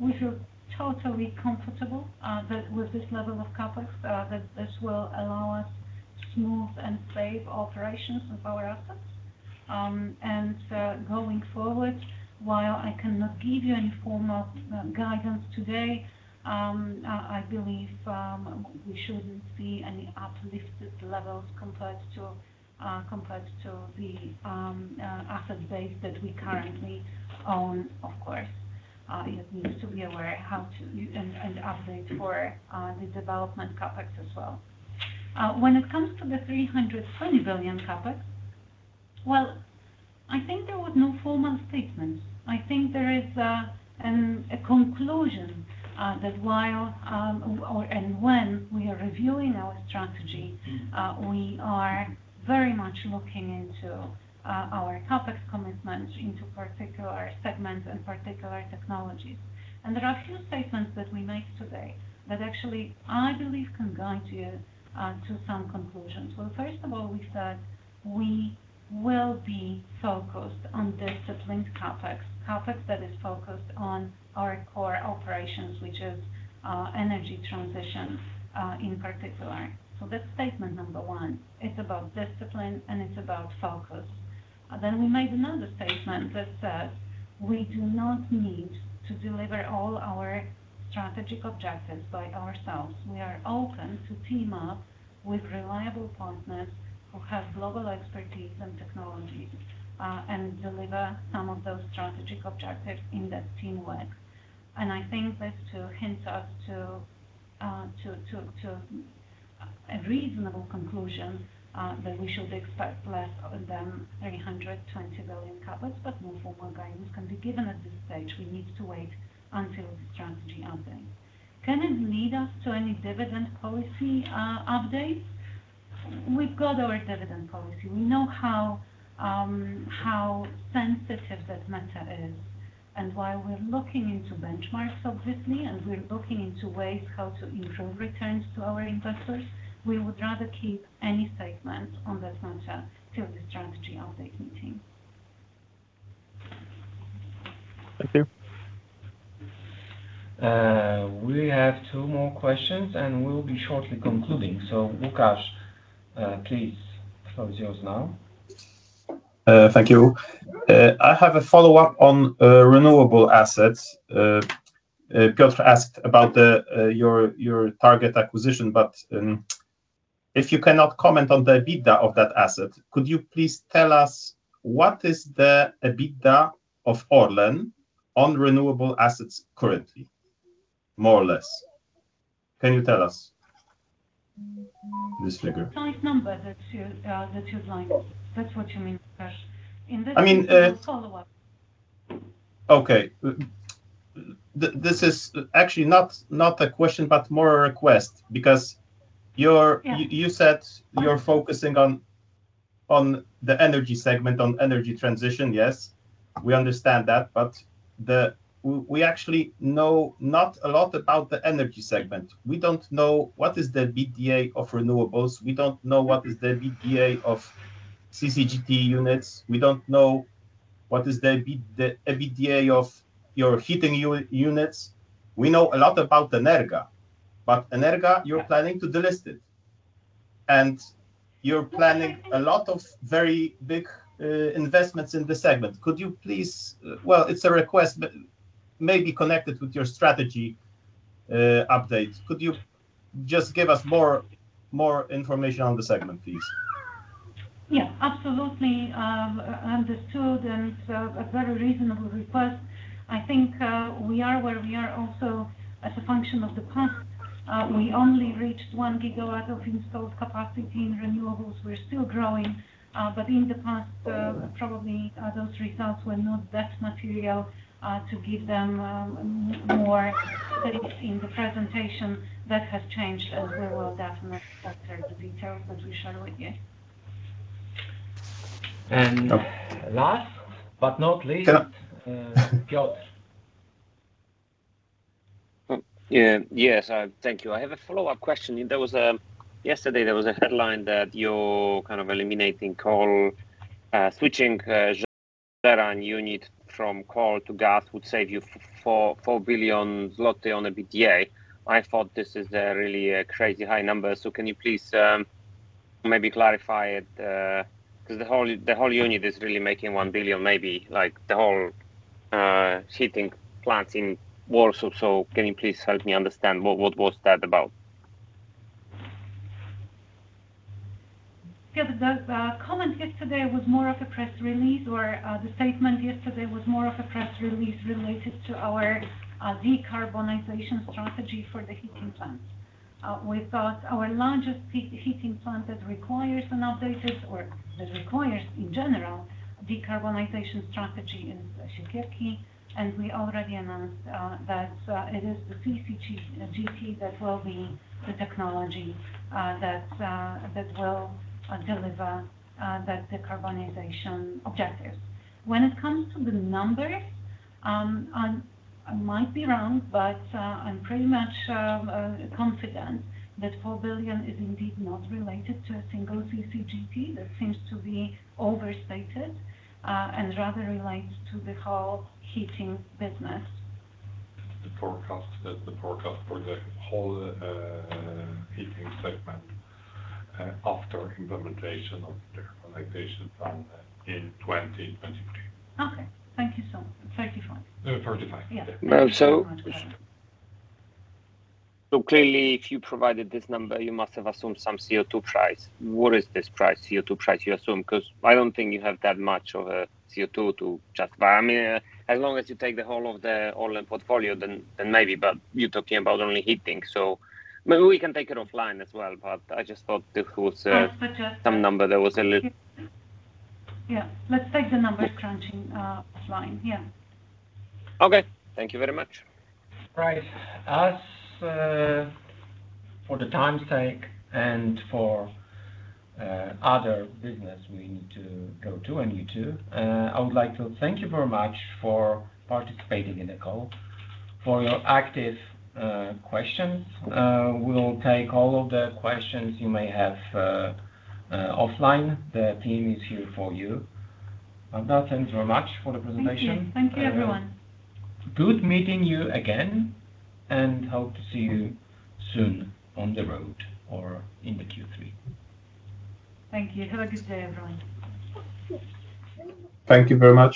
We feel totally comfortable that with this level of CapEx, that this will allow us smooth and safe operations of our assets. And going forward, while I cannot give you any formal guidance today, I believe we shouldn't see any uplifted levels compared to the asset base that we currently own, of course. It needs to be aware how to... and update for the development CapEx as well. When it comes to the 320 billion CapEx, well, I think there was no formal statement. I think there is a conclusion that while and when we are reviewing our strategy, we are very much looking into our CapEx commitments into particular segments and particular technologies. And there are a few statements that we made today that actually, I believe, can guide you to some conclusions. Well, first of all, we said we will be focused on disciplined CapEx. CapEx that is focused on our core operations, which is energy transition in particular. So that's statement number one. It's about discipline, and it's about focus. Then we made another statement that said, we do not need to deliver all our strategic objectives by ourselves. We are open to team up with reliable partners who have global expertise and technologies and deliver some of those strategic objectives in that teamwork. I think this hints us to a reasonable conclusion that we should expect less than 320 billion CapEx, but no formal guidance can be given at this stage. We need to wait until the strategy update. Can it lead us to any dividend policy update? We've got our dividend policy. We know how sensitive that matter is, and while we're looking into benchmarks obviously, and we're looking into ways how to improve returns to our investors, we would rather keep any statements on that matter till the strategy update meeting. Thank you. We have two more questions, and we'll be shortly concluding. So, Łukasz, please, the floor is yours now. .Thank you. I have a follow-up on renewable assets. Piotr asked about your target acquisition, but if you cannot comment on the EBITDA of that asset, could you please tell us what is the EBITDA of ORLEN on renewable assets currently, more or less? Can you tell us this figure? Nice number that you, that you'd like. That's what you mean, Kash. In this- I mean, Follow-up. Okay. This is actually not a question, but more a request, because you're- Yeah You said you're focusing on the energy segment, on energy transition. Yes, we understand that, but we actually know not a lot about the energy segment. We don't know what is the EBITDA of renewables. We don't know what is the EBITDA of CCGT units. We don't know what is the EBITDA of your heating units. We know a lot about Energa, but Energa, you're planning to delist it, and you're planning a lot of very big investments in the segment. Could you please... Well, it's a request, but maybe connect it with your strategy update. Could you just give us more information on the segment, please? Yeah, absolutely. Understood, and a very reasonable request. I think we are where we are also as a function of the past. We only reached 1 gigawatt of installed capacity in renewables. We're still growing, but in the past, probably those results were not that material to give them more space in the presentation. That has changed as well, definitely, after the details that we shared with you. Last but not least-Uh, Piotr. Yeah. Yes, thank you. I have a follow-up question. There was a... Yesterday, there was a headline that you're kind of eliminating coal. Switching unit from coal to gas would save you 4 billion zloty on EBITDA. I thought this is really a crazy, high number, so can you please maybe clarify it? 'Cause the whole, the whole unit is really making 1 billion, maybe like the whole heating plant in Warsaw. So can you please help me understand what, what was that about? Yeah. The comment yesterday was more of a press release, or the statement yesterday was more of a press release related to our decarbonization strategy for the heating plants. We thought our largest heating plant that requires an updated or that requires, in general, decarbonization strategy in Siekierki, and we already announced that it is the CCGT GT that will be the technology that will deliver the decarbonization objectives. When it comes to the numbers, I might be wrong, but I'm pretty much confident that 4 billion is indeed not related to a single CCGT. That seems to be overstated, and rather related to the whole heating business. The forecast for the whole heating segment after implementation of the decarbonization plan in 2023. Okay. Thank you so much. 35. Uh, 35. Yeah. Well, so clearly, if you provided this number, you must have assumed some CO2 price. What is this price, CO2 price you assume? 'Cause I don't think you have that much of a CO2 to just buy. I mean, as long as you take the whole of the ORLEN portfolio, then maybe, but you're talking about only heating. So maybe we can take it offline as well, but I just thought this was. Uh, suggest- Some number that was a little Yeah. Let's take the number crunching, offline. Yeah. Okay. Thank you very much. Right. As for the time's sake and for other business, we need to go to. I need to, I would like to thank you very much for participating in the call, for your active questions. We'll take all of the questions you may have offline. The team is here for you. Thank you very much for the presentation. Thank you. Thank you, everyone. Good meeting you again, and hope to see you soon on the road or in the Q3. Thank you. Have a good day, everyone. Thank you very much.